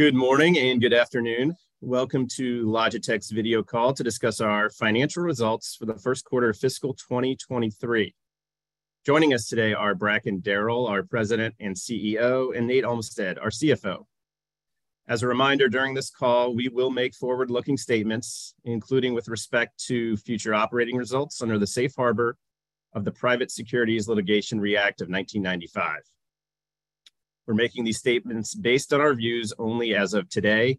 Good morning and good afternoon. Welcome to Logitech's video call to discuss our financial results for the first quarter of fiscal 2023. Joining us today are Bracken Darrell, our President and CEO, and Nate Olmstead, our CFO. As a reminder, during this call, we will make forward-looking statements, including with respect to future operating results under the safe harbor of the Private Securities Litigation Reform Act of 1995. We're making these statements based on our views only as of today,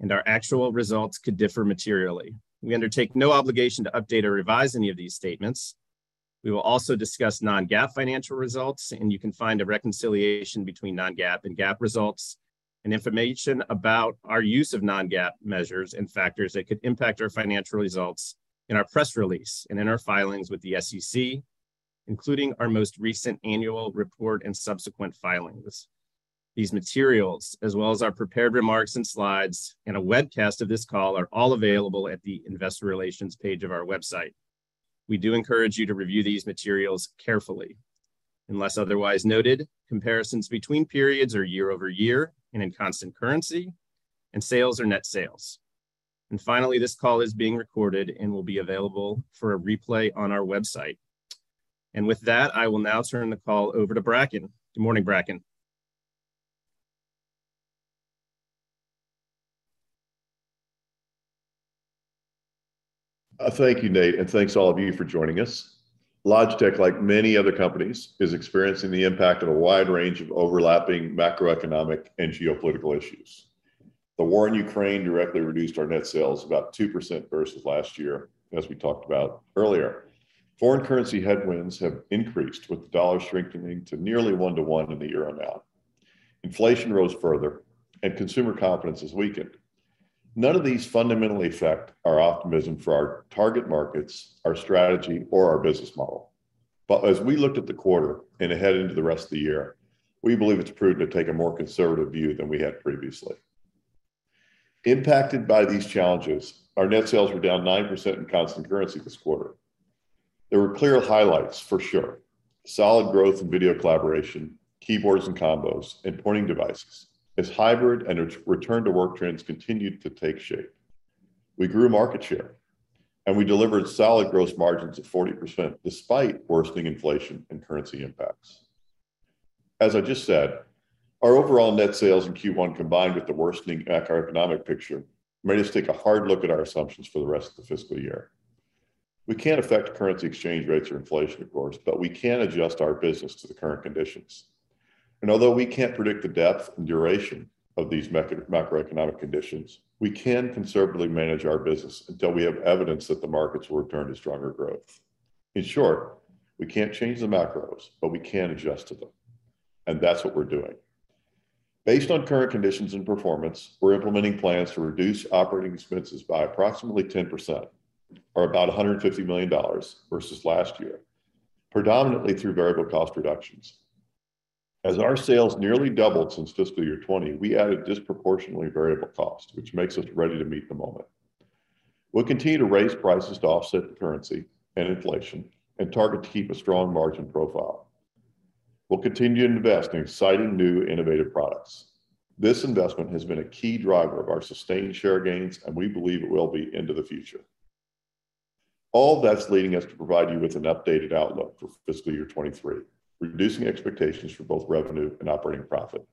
and our actual results could differ materially. We undertake no obligation to update or revise any of these statements. We will also discuss non-GAAP financial results, and you can find a reconciliation between non-GAAP and GAAP results and information about our use of non-GAAP measures and factors that could impact our financial results in our press release and in our filings with the SEC, including our most recent annual report and subsequent filings. These materials, as well as our prepared remarks and slides, and a webcast of this call, are all available at the investor relations page of our website. We do encourage you to review these materials carefully. Unless otherwise noted, comparisons between periods are year-over-year and in constant currency, and sales are net sales. Finally, this call is being recorded and will be available for replay on our website. With that, I will now turn the call over to Bracken. Good morning, Bracken. Thank you, Nate, and thanks all of you for joining us. Logitech, like many other companies, is experiencing the impact of a wide range of overlapping macroeconomic and geopolitical issues. The war in Ukraine directly reduced our net sales by about 2% versus last year, as we talked about earlier. Foreign currency headwinds have increased, with the dollar strengthening to nearly one-to-one in the year amount. Inflation rose further and consumer confidence has weakened. None of these fundamentally affect our optimism for our target markets, our strategy, or our business model. As we looked at the quarter and ahead into the rest of the year, we believe it's prudent to take a more conservative view than we had previously. Impacted by these challenges, our net sales were down 9% in constant currency this quarter. There were clear highlights for sure. Solid growth in video collaboration, keyboards and combos, and pointing devices as hybrid and return to work trends continued to take shape. We grew market share, and we delivered solid gross margins at 40% despite worsening inflation and currency impacts. As I just said, our overall net sales in Q1, combined with the worsening macroeconomic picture, made us take a hard look at our assumptions for the rest of the fiscal year. We can't affect currency exchange rates or inflation, of course, but we can adjust our business to the current conditions. Although we can't predict the depth and duration of these macroeconomic conditions, we can conservatively manage our business until we have evidence that the markets will return to stronger growth. In short, we can't change the macros, but we can adjust to them, and that's what we're doing. Based on current conditions and performance, we're implementing plans to reduce operating expenses by approximately 10% or about $150 million versus last year, predominantly through variable cost reductions. As our sales nearly doubled since fiscal year 2020, we added disproportionately variable costs, which makes us ready to meet the moment. We'll continue to raise prices to offset currency and inflation and target to keep a strong margin profile. We'll continue to invest in exciting new innovative products. This investment has been a key driver of our sustained share gains, and we believe it will be into the future. All that's leading us to provide you with an updated outlook for fiscal year 2023, reducing expectations for both revenue and operating profit.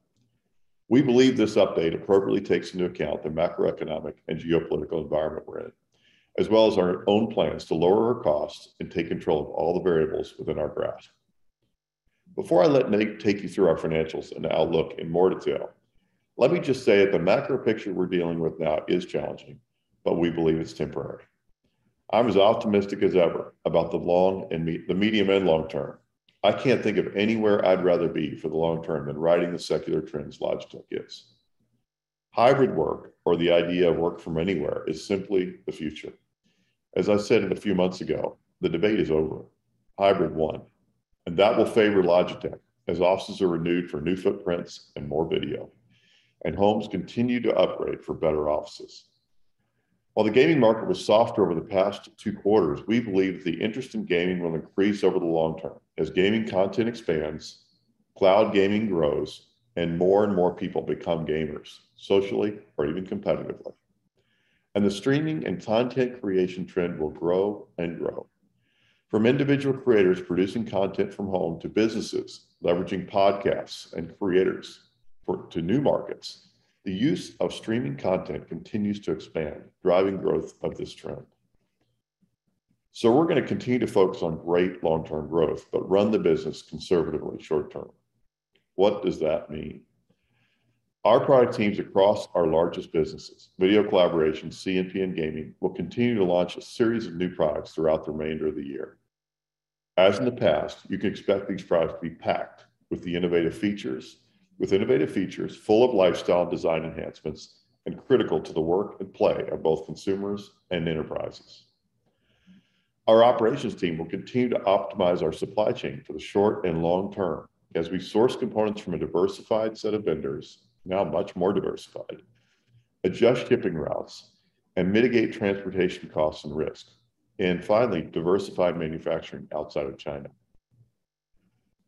We believe this update appropriately takes into account the macroeconomic and geopolitical environment we're in, as well as our own plans to lower our costs and take control of all the variables within our grasp. Before I let Nate take you through our financials and outlook in more detail, let me just say that the macro picture we're dealing with now is challenging, but we believe it's temporary. I'm as optimistic as ever about the medium and long-term. I can't think of anywhere I'd rather be for the long term than riding the secular trends Logitech is. Hybrid work or the idea of work from anywhere is simply the future. As I said a few months ago, the debate is over. Hybrid won, and that will favor Logitech as offices are renewed for new footprints and more video, and homes continue to upgrade for better offices. While the gaming market was softer over the past two quarters, we believe the interest in gaming will increase over the long term as gaming content expands, cloud gaming grows, and more and more people become gamers, socially or even competitively. The streaming and content creation trend will grow and grow. From individual creators producing content from home to businesses leveraging podcasts and creators to new markets, the use of streaming content continues to expand, driving growth of this trend. We're gonna continue to focus on great long-term growth but run the business conservatively short-term. What does that mean? Our product teams across our largest businesses, Video Collaboration, C&P, and Gaming, will continue to launch a series of new products throughout the remainder of the year. As in the past, you can expect these products to be packed with innovative features full of lifestyle design enhancements and critical to the work and play of both consumers and enterprises. Our operations team will continue to optimize our supply chain for the short and long term as we source components from a diversified set of vendors, now much more diversified, adjust shipping routes, and mitigate transportation costs and risk, and finally, diversify manufacturing outside of China.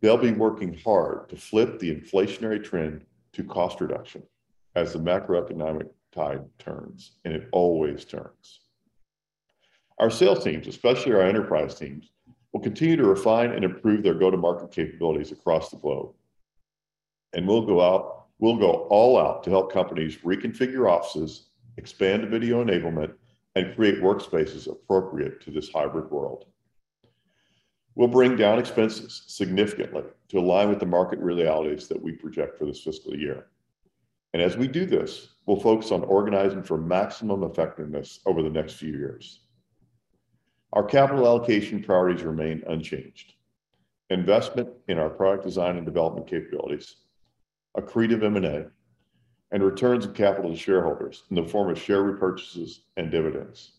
They'll be working hard to flip the inflationary trend to cost reduction as the macroeconomic tide turns, and it always turns. Our sales teams, especially our enterprise teams, will continue to refine and improve their go-to-market capabilities across the globe. We'll go all out to help companies reconfigure offices, expand video enablement, and create workspaces appropriate to this hybrid world. We'll bring down expenses significantly to align with the market realities that we project for this fiscal year. As we do this, we'll focus on organizing for maximum effectiveness over the next few years. Our capital allocation priorities remain unchanged. Investment in our product design and development capabilities, accretive M&A, and returns of capital to shareholders in the form of share repurchases and dividends.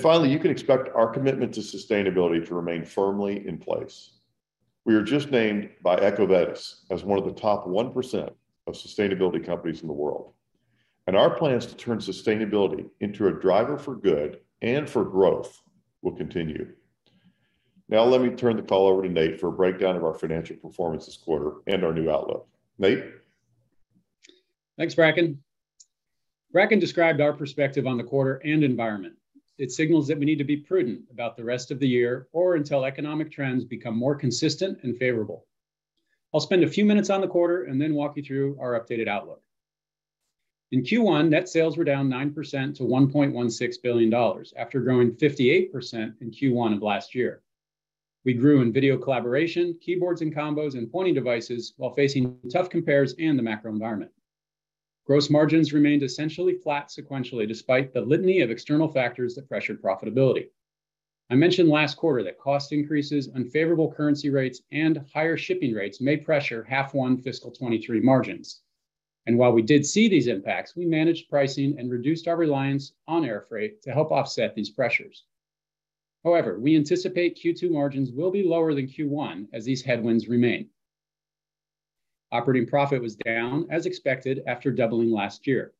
Finally, you can expect our commitment to sustainability to remain firmly in place. We were just named by EcoVadis as one of the top 1% of sustainability companies in the world. Our plans to turn sustainability into a driver for good and for growth will continue. Now, let me turn the call over to Nate for a breakdown of our financial performance this quarter and our new outlook. Nate? Thanks, Bracken. Bracken described our perspective on the quarter and environment. It signals that we need to be prudent about the rest of the year or until economic trends become more consistent and favorable. I'll spend a few minutes on the quarter and then walk you through our updated outlook. In Q1, net sales were down 9% to $1.16 billion after growing 58% in Q1 of last year. We grew in Video Collaboration, Keyboards and Combos, and Pointing Devices while facing tough competitors and the macro environment. Gross margins remained essentially flat sequentially despite the litany of external factors that pressured profitability. I mentioned last quarter that cost increases, unfavorable currency rates, and higher shipping rates may pressure H1 FY 2023 margins. While we did see these impacts, we managed pricing and reduced our reliance on air freight to help offset these pressures. However, we anticipate Q2 margins will be lower than Q1 as these headwinds remain. Operating profit was down as expected after doubling last year.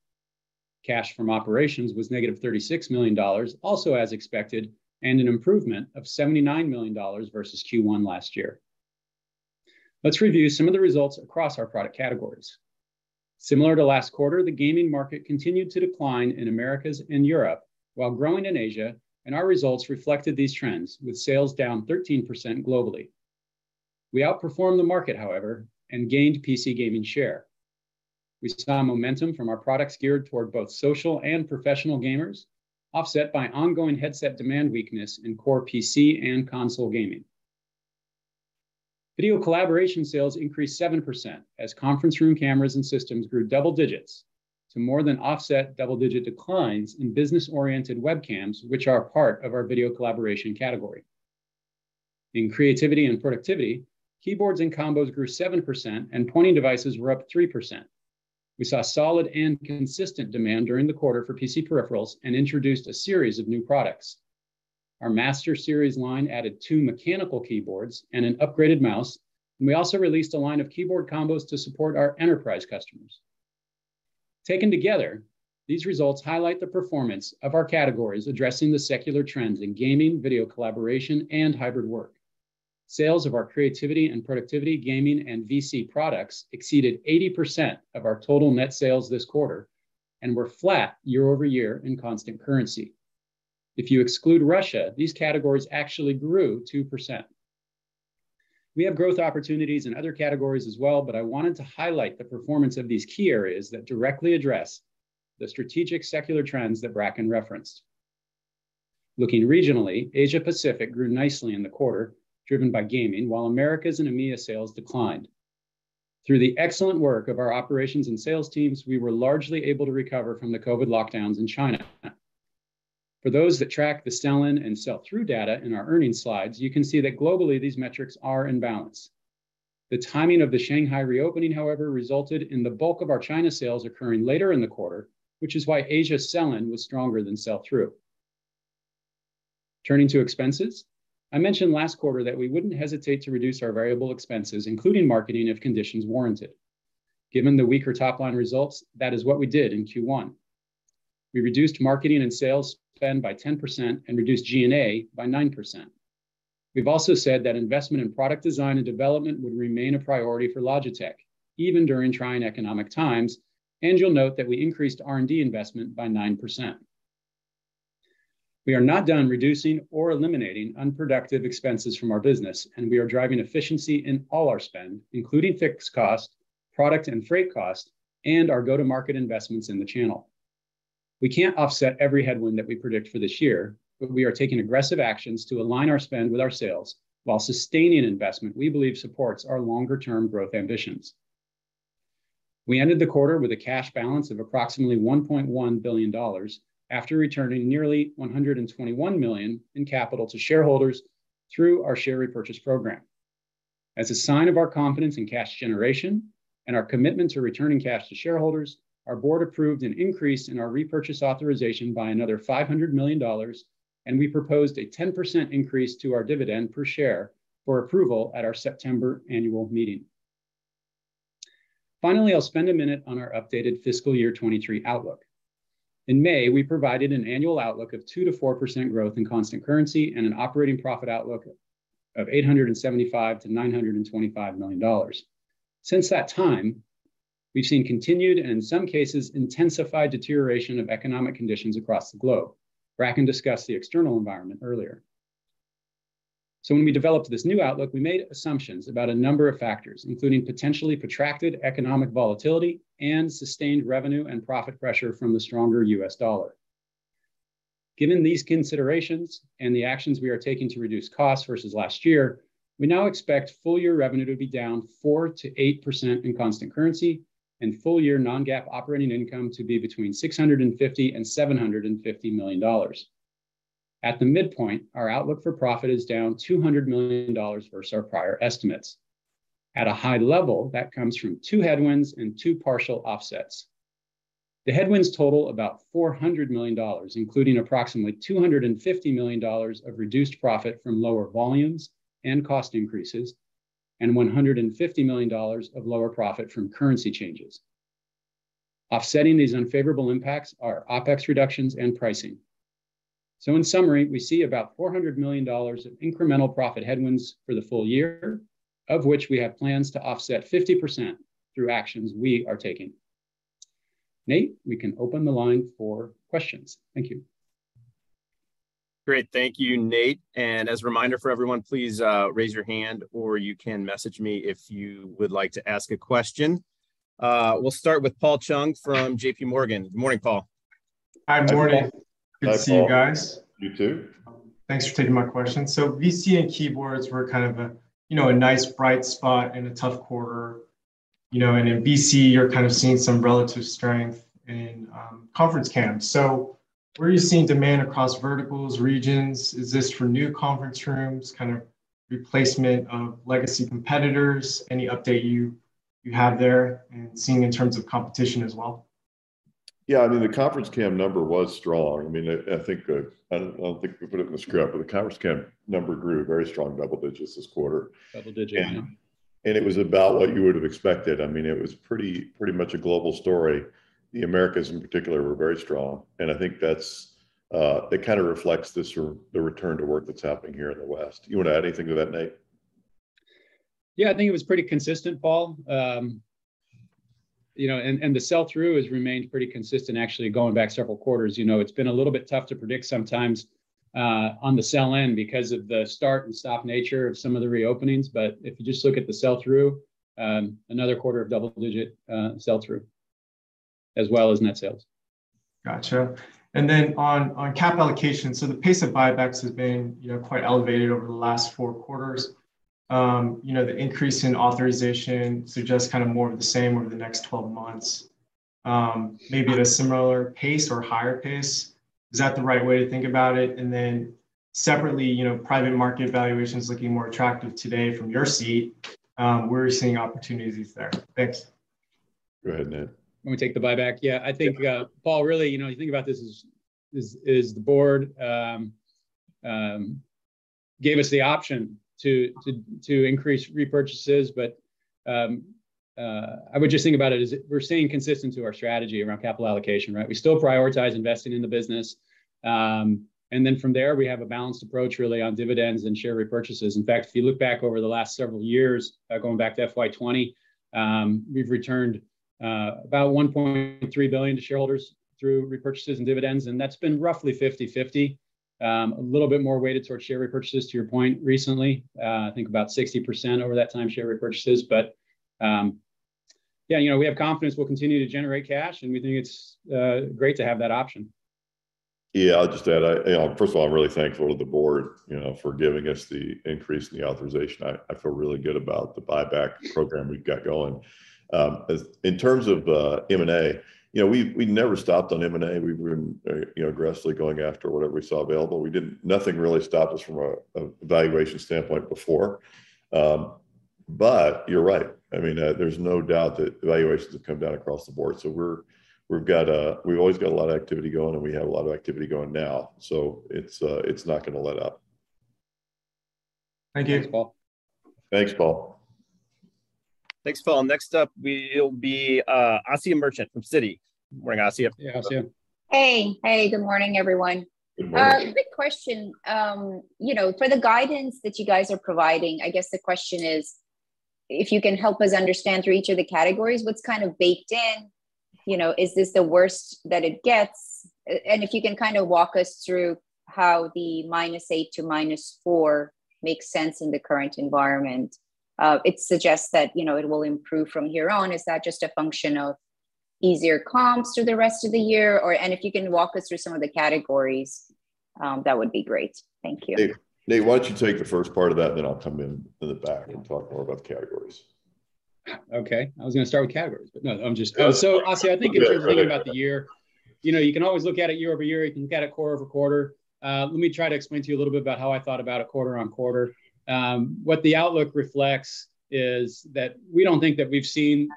Cash from operations was negative $36 million, also as expected, and an improvement of $79 million versus Q1 last year. Let's review some of the results across our product categories. Similar to last quarter, the gaming market continued to decline in the Americas and Europe while growing in Asia, and our results reflected these trends with sales down 13% globally. We outperformed the market, however, and gained PC gaming share. We saw momentum from our products geared toward both social and professional gamers, offset by ongoing headset demand weakness in core PC and console gaming. Video collaboration sales increased 7% as conference room cameras and systems grew double-digits to more than offset double-digit declines in business-oriented webcams, which are part of our Video Collaboration category. In creativity and productivity, Keyboards and Combos grew 7% and Pointing Devices were up 3%. We saw solid and consistent demand during the quarter for PC peripherals and introduced a series of new products. Our Master Series line added two mechanical keyboards and an upgraded mouse, and we also released a line of Keyboard and Combos to support our enterprise customers. Taken together, these results highlight the performance of our categories addressing the secular trends in Gaming, Video Collaboration, and Hybrid Work. Sales of our Creativity and Productivity, Gaming, and VC products exceeded 80% of our total net sales this quarter and were flat year-over-year in constant currency. If you exclude Russia, these categories actually grew 2%. We have growth opportunities in other categories as well, but I wanted to highlight the performance of these key areas that directly address the strategic secular trends that Bracken referenced. Looking regionally, Asia-Pacific grew nicely in the quarter, driven by gaming, while Americas and EMEA sales declined. Through the excellent work of our operations and sales teams, we were largely able to recover from the COVID lockdowns in China. For those that track the sell-in and sell-through data in our earnings slides, you can see that globally these metrics are in balance. The timing of the Shanghai reopening, however, resulted in the bulk of our China sales occurring later in the quarter, which is why Asia sell-in was stronger than sell-through. Turning to expenses, I mentioned last quarter that we wouldn't hesitate to reduce our variable expenses, including marketing, if conditions warranted. Given the weaker top-line results, that is what we did in Q1. We reduced marketing and sales spend by 10% and reduced G&A by 9%. We've also said that investment in product design and development would remain a priority for Logitech, even during trying economic times, and you'll note that we increased R&D investment by 9%. We are not done reducing or eliminating unproductive expenses from our business, and we are driving efficiency in all our spend, including fixed cost, product and freight cost, and our go-to-market investments in the channel. We can't offset every headwind that we predict for this year, but we are taking aggressive actions to align our spend with our sales while sustaining investment we believe supports our longer-term growth ambitions. We ended the quarter with a cash balance of approximately $1.1 billion after returning nearly $121 million in capital to shareholders through our share repurchase program. As a sign of our confidence in cash generation and our commitment to returning cash to shareholders, our board approved an increase in our repurchase authorization by another $500 million, and we proposed a 10% increase to our dividend per share for approval at our September annual meeting. Finally, I'll spend a minute on our updated fiscal year 2023 outlook. In May, we provided an annual outlook of 2%-4% growth in constant currency and an operating profit outlook of $875 million-$925 million. Since that time, we've seen continued, and in some cases, intensified deterioration of economic conditions across the globe. Bracken discussed the external environment earlier. When we developed this new outlook, we made assumptions about a number of factors, including potentially protracted economic volatility and sustained revenue and profit pressure from the stronger U.S. dollar. Given these considerations and the actions we are taking to reduce costs versus last year, we now expect full year revenue to be down 4%-8% in constant currency and full year non-GAAP operating income to be between $650 million and $750 million. At the midpoint, our outlook for profit is down $200 million versus our prior estimates. At a high level, that comes from two headwinds and two partial offsets. The headwinds total about $400 million, including approximately $250 million of reduced profit from lower volumes and cost increases, and $150 million of lower profit from currency changes. Offsetting these unfavorable impacts are OpEx reductions and pricing. In summary, we see about $400 million of incremental profit headwinds for the full year, of which we have plans to offset 50% through actions we are taking. Nate, we can open the line for questions. Thank you. Great. Thank you, Nate. As a reminder for everyone, please, raise your hand, or you can message me if you would like to ask a question. We'll start with Paul Chung from JPMorgan. Good morning, Paul. Hi, morning. Hi, Paul. Good to see you guys. You too. Thanks for taking my question. VC and Keyboards were kind of a, you know, a nice bright spot in a tough quarter. You know, in VC, you're kind of seeing some relative strength in, conference cams. Where are you seeing demand across verticals, regions? Is this for new conference rooms, kind of replacement of legacy competitors? Any update you have there and seeing in terms of competition as well? Yeah. I mean, the conference cam number was strong. I mean, I think, I don't think we put it in the script, but the conference cam number grew very strong double-digits this quarter. Double-digit, yeah. It was about what you would have expected. I mean, it was pretty much a global story. The Americas in particular were very strong, and I think that it kind of reflects the return to work that's happening here in the West. You wanna add anything to that, Nate? Yeah, I think it was pretty consistent, Paul. You know, and the sell-through has remained pretty consistent, actually, going back several quarters. You know, it's been a little bit tough to predict sometimes on the sell-in because of the start-and-stop nature of some of the re-openings. If you just look at the sell-through, another quarter of double-digit sell-through as well as net sales. Gotcha. On capital allocation, so the pace of buybacks has been, you know, quite elevated over the last four quarters. You know, the increase in authorization suggests kind of more of the same over the next twelve months, maybe at a similar pace or higher pace. Is that the right way to think about it? Separately, you know, private market valuations are looking more attractive today from your seat. Where are you seeing opportunities there? Thanks. Go ahead, Nate. Let me take the buyback. Yeah. I think, Paul, really, you know, you think about this as the board gave us the option to increase repurchases. I would just think about it as we're staying consistent to our strategy around capital allocation, right? We still prioritize investing in the business, and then from there, we have a balanced approach really on dividends and share repurchases. In fact, if you look back over the last several years, going back to FY 2020, we've returned about $1.3 billion to shareholders through repurchases and dividends, and that's been roughly 50/50. A little bit more weighted towards share repurchases to your point recently. I think about 60% over that time, share repurchases. Yeah, you know, we have confidence we'll continue to generate cash, and we think it's great to have that option. Yeah. I'll just add, you know, first of all, I'm really thankful to the board, you know, for giving us the increase in the authorization. I feel really good about the buyback program we've got going. In terms of M&A, you know, we never stopped on M&A. We've been, you know, aggressively going after whatever we saw available. Nothing really stopped us from a valuation standpoint before. You're right. I mean, there's no doubt that valuations have come down across the board. We've always got a lot of activity going, and we have a lot of activity going now, so it's not gonna let up. Thank you. Thanks, Paul. Thanks, Paul. Thanks, Paul. Next up will be Asiya Merchant from Citi. Morning, Asiya. Yeah, Asiya. Hey. Hey, good morning, everyone. Good morning. Quick question. You know, for the guidance that you guys are providing, I guess the question is, if you can help us understand through each of the categories what's kind of baked in, you know, is this the worst that it gets? If you can kind of walk us through how the -8%-4% makes sense in the current environment. It suggests that, you know, it will improve from here on. Is that just a function of easier comps through the rest of the year, or if you can walk us through some of the categories, that would be great. Thank you. Nate, why don't you take the first part of that, then I'll come in the back and talk more about the categories. Okay. I was gonna start with categories, but no. So Asiya, I think if you're thinking about the year, you know, you can always look at it year-over-year. You can look at it quarter-over-quarter. Let me try to explain to you a little bit about how I thought about it quarter-over-quarter. What the outlook reflects is that we don't think that we've seen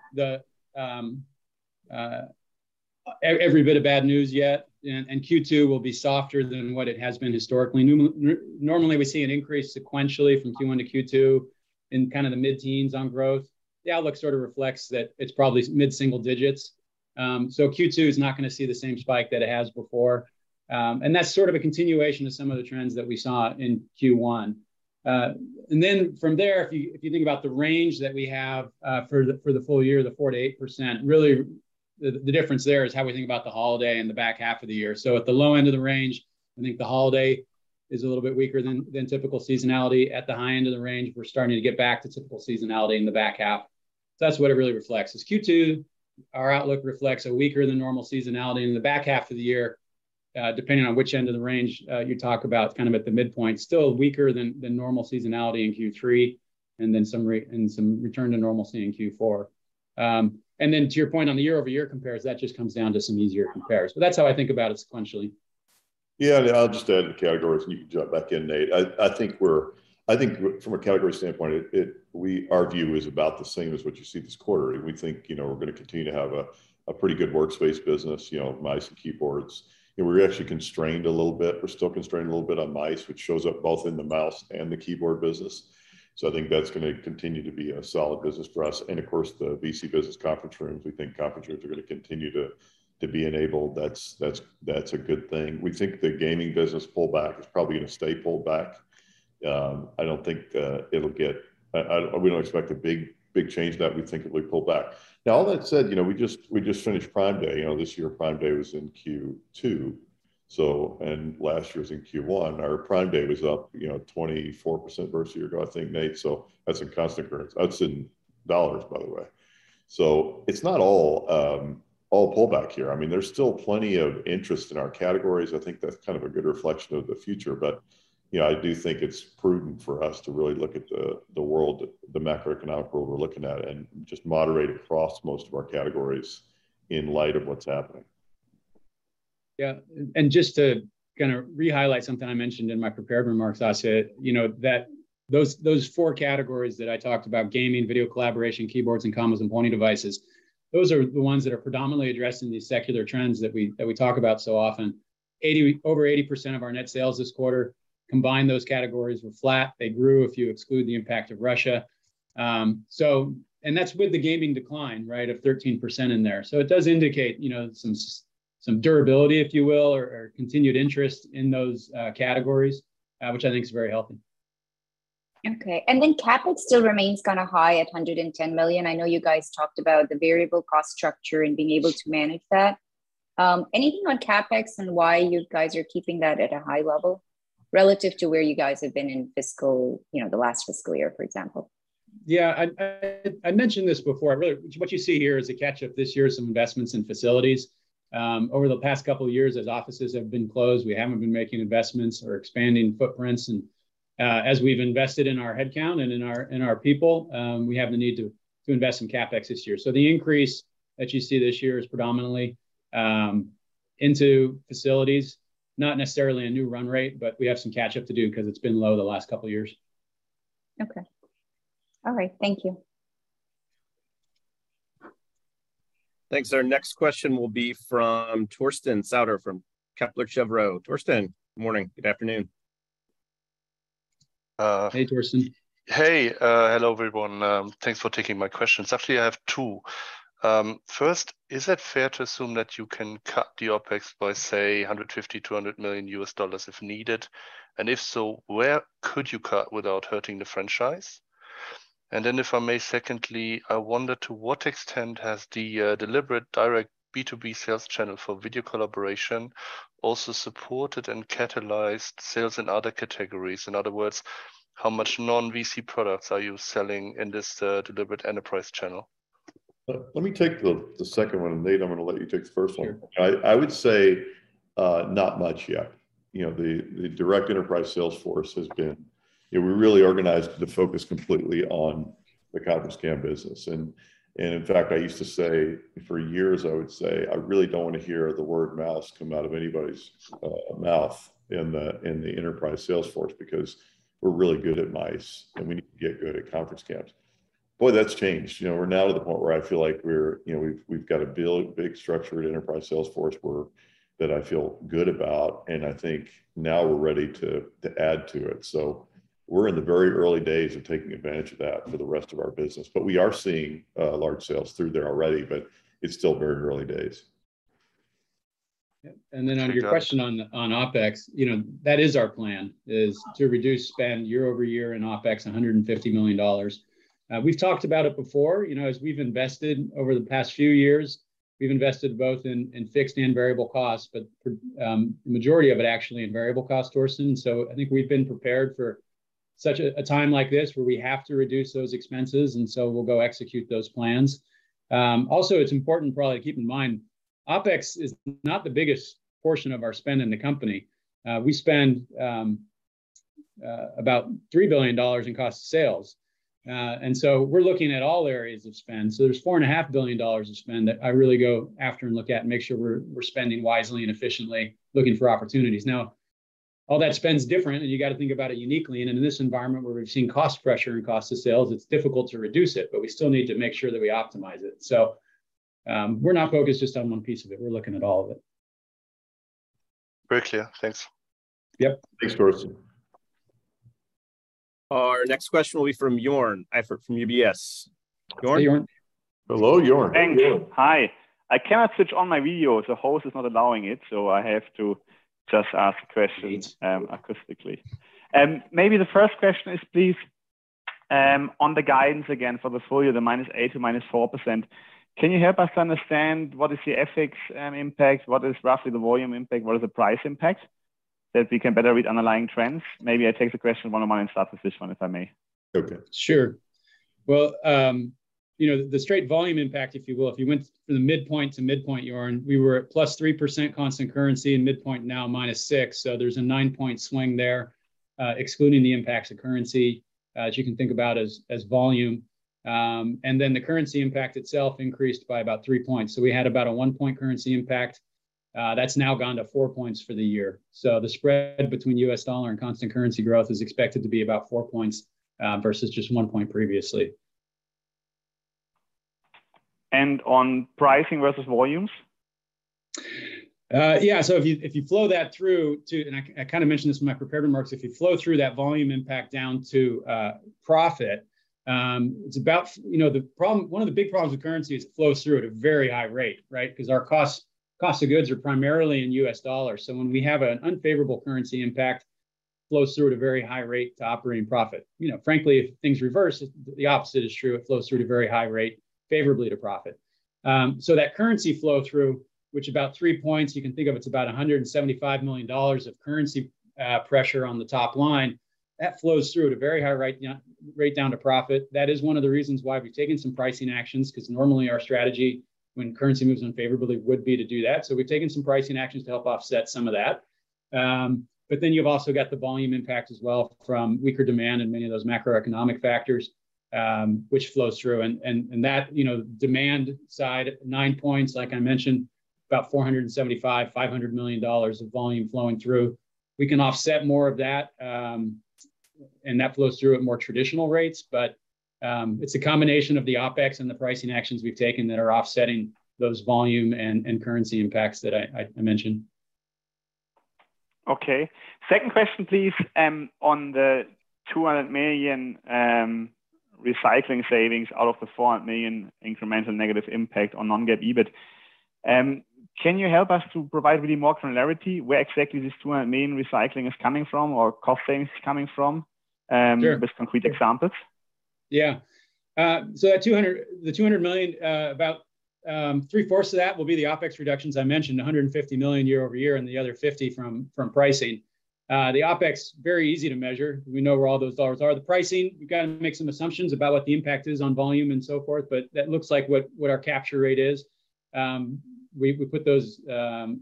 every bit of bad news yet. Q2 will be softer than what it has been historically. Normally we see an increase sequentially from Q1 to Q2 in kind of the mid-teens on growth. The outlook sort of reflects that it's probably mid-single-digits. So Q2 is not gonna see the same spike that it has before. That's sort of a continuation of some of the trends that we saw in Q1. From there, if you think about the range that we have for the full year, the 4%-8%, really the difference there is how we think about the holiday and the back half of the year. At the low end of the range, I think the holiday is a little bit weaker than typical seasonality. At the high end of the range, we're starting to get back to typical seasonality in the back half. That's what it really reflects, is Q2, our outlook reflects a weaker than normal seasonality. In the back half of the year, depending on which end of the range you talk about, kind of at the midpoint, still weaker than normal seasonality in Q3, and then some return to normalcy in Q4. To your point on the year-over-year compares, that just comes down to some easier compares. That's how I think about it sequentially. Yeah, I'll just add in categories and you can jump back in, Nate. I think from a category standpoint our view is about the same as what you see this quarter. We think, you know, we're gonna continue to have a pretty good workspace business, you know, mice and keyboards. You know, we're actually constrained a little bit. We're still constrained a little bit on mice, which shows up both in the mouse and the keyboard business, so I think that's gonna continue to be a solid business for us. Of course, the VC business conference rooms, we think conference rooms are gonna continue to be enabled. That's a good thing. We think the gaming business pullback is probably gonna stay pulled back. I don't think it'll get. We don't expect a big change to that. We think it would pull back. Now all that said, you know, we just finished Prime Day. You know, this year Prime Day was in Q2, and last year's in Q1. Our Prime Day was up, you know, 24% versus a year ago, I think, Nate. So that's in constant currency. That's in dollars, by the way. So it's not all pullback here. I mean, there's still plenty of interest in our categories. I think that's kind of a good reflection of the future. You know, I do think it's prudent for us to really look at the macroeconomic world we're looking at, and just moderate across most of our categories in light of what's happening. Yeah. Just to kind of re-highlight something I mentioned in my prepared remarks, Asiya, you know that those four categories that I talked about, gaming, video collaboration, keyboards and combos, and pointing devices, those are the ones that are predominantly addressing these secular trends that we talk about so often. Over 80% of our net sales this quarter, combined those categories, were flat. They grew if you exclude the impact of Russia. That's with the gaming decline, right, of 13% in there. It does indicate, you know, some durability, if you will, or continued interest in those categories, which I think is very healthy. Okay. CapEx still remains kind of high at $110 million. I know you guys talked about the variable cost structure and being able to manage that. Anything on CapEx and why you guys are keeping that at a high level relative to where you guys have been in fiscal, you know, the last fiscal year, for example? Yeah. I mentioned this before. Really, what you see here is a catch-up this year of some investments in facilities. Over the past couple years as offices have been closed, we haven't been making investments or expanding footprints. As we've invested in our headcount and in our people, we have the need to invest in CapEx this year. The increase that you see this year is predominantly into facilities. Not necessarily a new run rate, but we have some catch up to do 'cause it's been low the last couple years. Okay. All right. Thank you. Thanks. Our next question will be from Torsten Sauter from Kepler Cheuvreux. Torsten, good morning, good afternoon. Hey, Torsten. Hey. Hello everyone. Thanks for taking my questions. Actually, I have two. First, is it fair to assume that you can cut the OpEx by, say, $150 million-$200 million if needed? If so, where could you cut without hurting the franchise? If I may, secondly, I wonder to what extent the deliberate direct B2B sales channel for video collaboration also supported and catalyzed sales in other categories? In other words, how much non-VC products are you selling in this deliberate enterprise channel? Let me take the second one, and Nate, I'm gonna let you take the first one. Sure. I would say not much yet. You know, the direct enterprise sales force has been. You know, we really organized the focus completely on the conference cam business. In fact, I used to say, for years, I would say, "I really don't wanna hear the word mouse come out of anybody's mouth in the enterprise sales force, because we're really good at mice, and we need to get good at conference cams." Boy, that's changed. You know, we're now to the point where I feel like we're, you know, we've got a big structured enterprise sales force that I feel good about, and I think now we're ready to add to it. We're in the very early days of taking advantage of that for the rest of our business, but we are seeing large sales through there already, but it's still very early days. Then on your question on OpEx, you know, that is our plan, is to reduce spend year-over-year in OpEx $150 million. We've talked about it before. You know, as we've invested over the past few years, we've invested both in fixed and variable costs, but for the majority of it actually in variable costs, Torsten. I think we've been prepared for such a time like this, where we have to reduce those expenses, and we'll go execute those plans. Also it's important probably to keep in mind OpEx is not the biggest portion of our spend in the company. We spend about $3 billion in cost of sales. We're looking at all areas of spend. There's $4.5 billion of spend that I really go after and look at and make sure we're spending wisely and efficiently, looking for opportunities. Now all that spends different, and you gotta think about it uniquely. In this environment where we've seen cost pressure and cost of sales, it's difficult to reduce it, but we still need to make sure that we optimize it. We're not focused just on one piece of it. We're looking at all of it. Very clear. Thanks. Yep. Thanks, Torsten. Our next question will be from Joern Iffert from UBS. Joern? Hey, Joern. Hello, Joern. Thanks. Hi. I cannot switch on my video, as the host is not allowing it, so I have to just ask questions. Great Acoustically. Maybe the first question is, please, on the guidance again for the full year, the -8%-4%. Can you help us understand what is the FX impact? What is roughly the volume impact? What is the price impact? That we can better read underlying trends. Maybe I can take the question one by one and start with this one, if I may. Okay. Sure. Well, you know, the straight volume impact, if you will, if you went from the midpoint to midpoint, Joern, we were at +3% constant currency and midpoint now -6, so there's a nine-point swing there, excluding the impacts of currency, as you can think about as volume. The currency impact itself increased by about three points, we had about a one-point currency impact. That's now gone to four points for the year. The spread between the U.S. dollar and constant currency growth is expected to be about four points, versus just one point previously. On pricing versus volumes? I kind of mentioned this in my prepared remarks. If you flow through that volume impact down to profit, it's about, you know, the problem. One of the big problems with currency is it flows through at a very high rate, right? 'Cause our cost of goods are primarily in U.S. dollars, so when we have an unfavorable currency impact, it flows through at a very high rate to operating profit. You know, frankly, if things reverse, the opposite is true. It flows through at a very high rate favorably to profit. That currency flow through, which is about 3%, you can think of it as about $175 million of currency pressure on the top line. That flows through at a very high rate down to profit. That is one of the reasons why we've taken some pricing actions, 'cause normally our strategy when currency moves unfavorably would be to do that. We've taken some pricing actions to help offset some of that. You've also got the volume impact as well from weaker demand and many of those macroeconomic factors, which flows through. That, you know, demand side, nine points, like I mentioned, about $475 million-$500 million of volume flowing through. We can offset more of that, and that flows through at more traditional rates. It's a combination of the OpEx and the pricing actions we've taken that are offsetting those volume and currency impacts that I mentioned. Okay. Second question, please, on the $200 million pricing savings out of the $400 million incremental negative impact on non-GAAP EBIT. Can you help us to provide really more clarity where exactly this $200 million pricing is coming from or cost savings is coming from? Sure with concrete examples? At the $200 million, about three-fourths of that will be the OpEx reductions I mentioned, $150 million year-over-year, and the other $50 million from pricing. The OpEx, very easy to measure. We know where all those dollars are. The pricing, we've gotta make some assumptions about what the impact is on volume and so forth, but that looks like what our capture rate is. We put those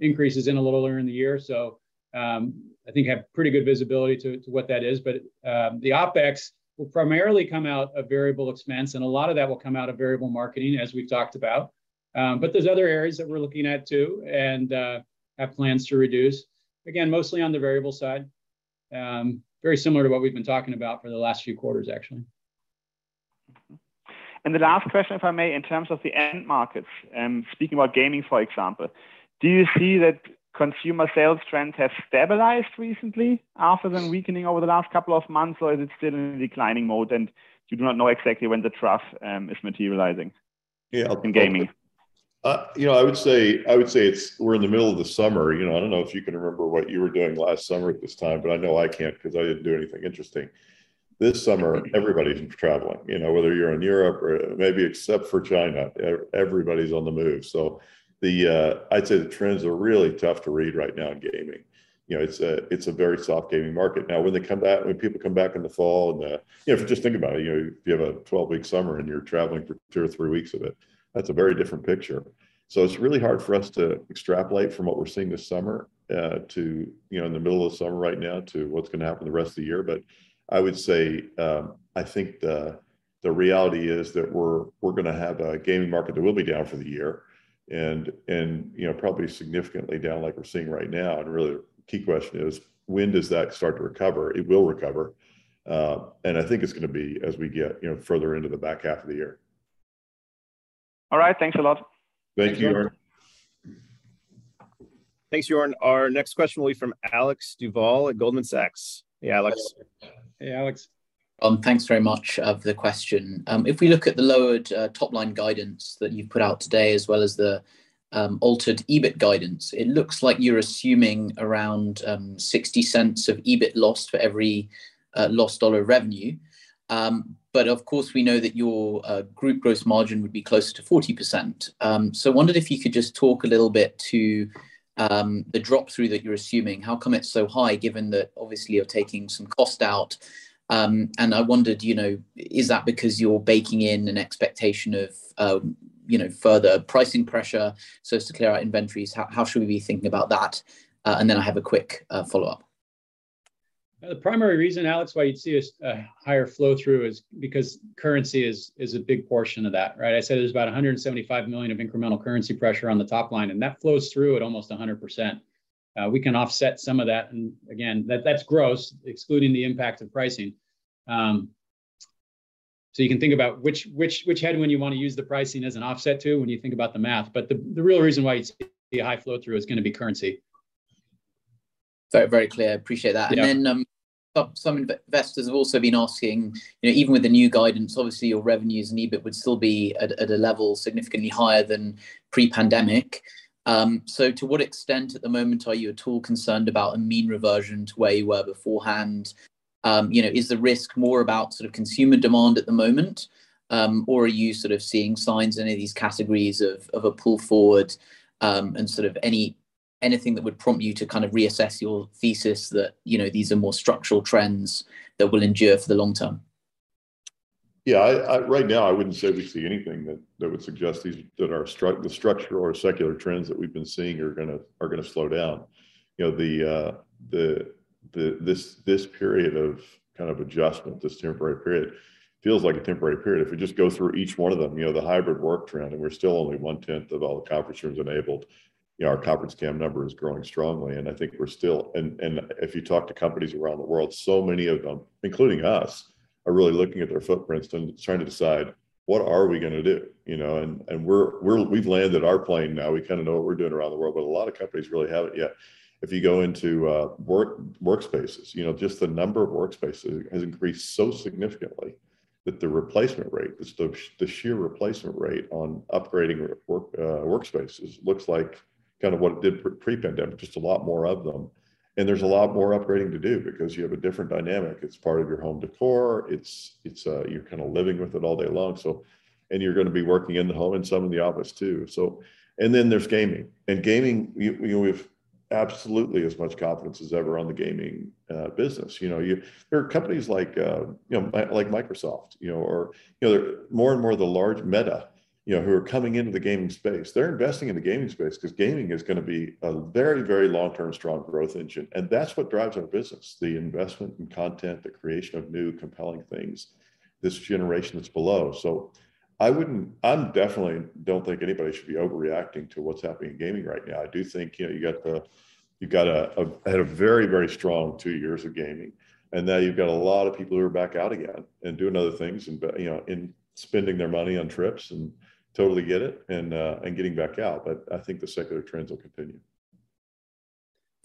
increases in a little earlier in the year, so I think have pretty good visibility to what that is. The OpEx will primarily come out of variable expense, and a lot of that will come out of variable marketing, as we've talked about. There's other areas that we're looking at too and have plans to reduce. Again, mostly on the variable side. Very similar to what we've been talking about for the last few quarters, actually. Mm-hmm. The last question, if I may, in terms of the end markets, speaking about gaming, for example. Do you see that consumer sales trends have stabilized recently after them weakening over the last couple of months, or is it still in declining mode and you do not know exactly when the trough is materializing? Yeah in gaming? You know, I would say it's. We're in the middle of the summer. You know, I don't know if you can remember what you were doing last summer at this time, but I know I can't 'cause I didn't do anything interesting. This summer, everybody's traveling. You know, whether you're in Europe or maybe except for China, everybody's on the move. I'd say the trends are really tough to read right now in gaming. You know, it's a very soft gaming market. Now, when people come back in the fall and. You know, if you just think about it, you know, if you have a 12-week summer and you're traveling for two or three weeks of it, that's a very different picture. It's really hard for us to extrapolate from what we're seeing this summer to you know in the middle of summer right now to what's gonna happen the rest of the year. I would say, I think the reality is that we're gonna have a gaming market that will be down for the year and you know probably significantly down like we're seeing right now. Really the key question is. When does that start to recover? It will recover and I think it's gonna be as we get you know further into the back half of the year. All right. Thanks a lot. Thank you, Joern. Thanks, Joern. Our next question will be from Alex Duval at Goldman Sachs. Hey, Alex. Hey, Alex. Thanks very much for the question. If we look at the lowered top line guidance that you put out today, as well as the altered EBIT guidance, it looks like you're assuming around $0.60 of EBIT loss for every lost $1 revenue. But of course, we know that your group gross margin would be closer to 40%. Wondered if you could just talk a little bit to the drop-through that you're assuming. How come it's so high, given that obviously you're taking some cost out? I wondered, you know, is that because you're baking in an expectation of, you know, further pricing pressure so as to clear out inventories? How should we be thinking about that? Then I have a quick follow-up. The primary reason, Alex, why you'd see a higher flow-through is because currency is a big portion of that, right? I said there's about $175 million of incremental currency pressure on the top line, and that flows through at almost 100%. We can offset some of that. Again, that's gross, excluding the impact of pricing. So you can think about which head when you wanna use the pricing as an offset to when you think about the math. The real reason why you'd see a high flow-through is gonna be currency. Very, very clear. Appreciate that. Yeah. Some investors have also been asking, you know, even with the new guidance, obviously your revenues and EBIT would still be at a level significantly higher than pre-pandemic. To what extent at the moment are you at all concerned about a mean reversion to where you were beforehand? You know, is the risk more about sort of consumer demand at the moment, or are you sort of seeing signs in any of these categories of a pull forward, and sort of anything that would prompt you to kind of reassess your thesis that, you know, these are more structural trends that will endure for the long term? Yeah. Right now, I wouldn't say we see anything that would suggest that our structure or secular trends that we've been seeing are gonna slow down. You know, this period of kind of adjustment, this temporary period, feels like a temporary period. If we just go through each one of them, you know, the hybrid work trend, and we're still only one-tenth of all the conference rooms enabled. You know, our conference cam number is growing strongly, and I think we're still. If you talk to companies around the world, so many of them, including us, are really looking at their footprints and trying to decide, "What are we gonna do?" You know? We've landed our plane now. We kind of know what we're doing around the world, but a lot of companies really haven't yet. If you go into workspaces, you know, just the number of workspaces has increased so significantly that the replacement rate, the sheer replacement rate on upgrading workspaces looks like kind of what it did pre-pandemic, just a lot more of them. There's a lot more upgrading to do because you have a different dynamic. It's part of your home decor. You're kind of living with it all day long, so. You're gonna be working in the home and some in the office too, so. There's gaming. Gaming, you know, we've absolutely as much confidence as ever on the gaming business. You know, you. There are companies like, you know, like Microsoft, you know, or, you know, they're more and more the large Meta, you know, who are coming into the gaming space. They're investing in the gaming space 'cause gaming is gonna be a very, very long-term strong growth engine, and that's what drives our business, the investment in content, the creation of new compelling things, this generation that's below. I'm definitely don't think anybody should be overreacting to what's happening in gaming right now. I do think, you know, you've got a had a very, very strong two years of gaming, and now you've got a lot of people who are back out again and doing other things and you know, and spending their money on trips and totally get it, and getting back out. I think the secular trends will continue.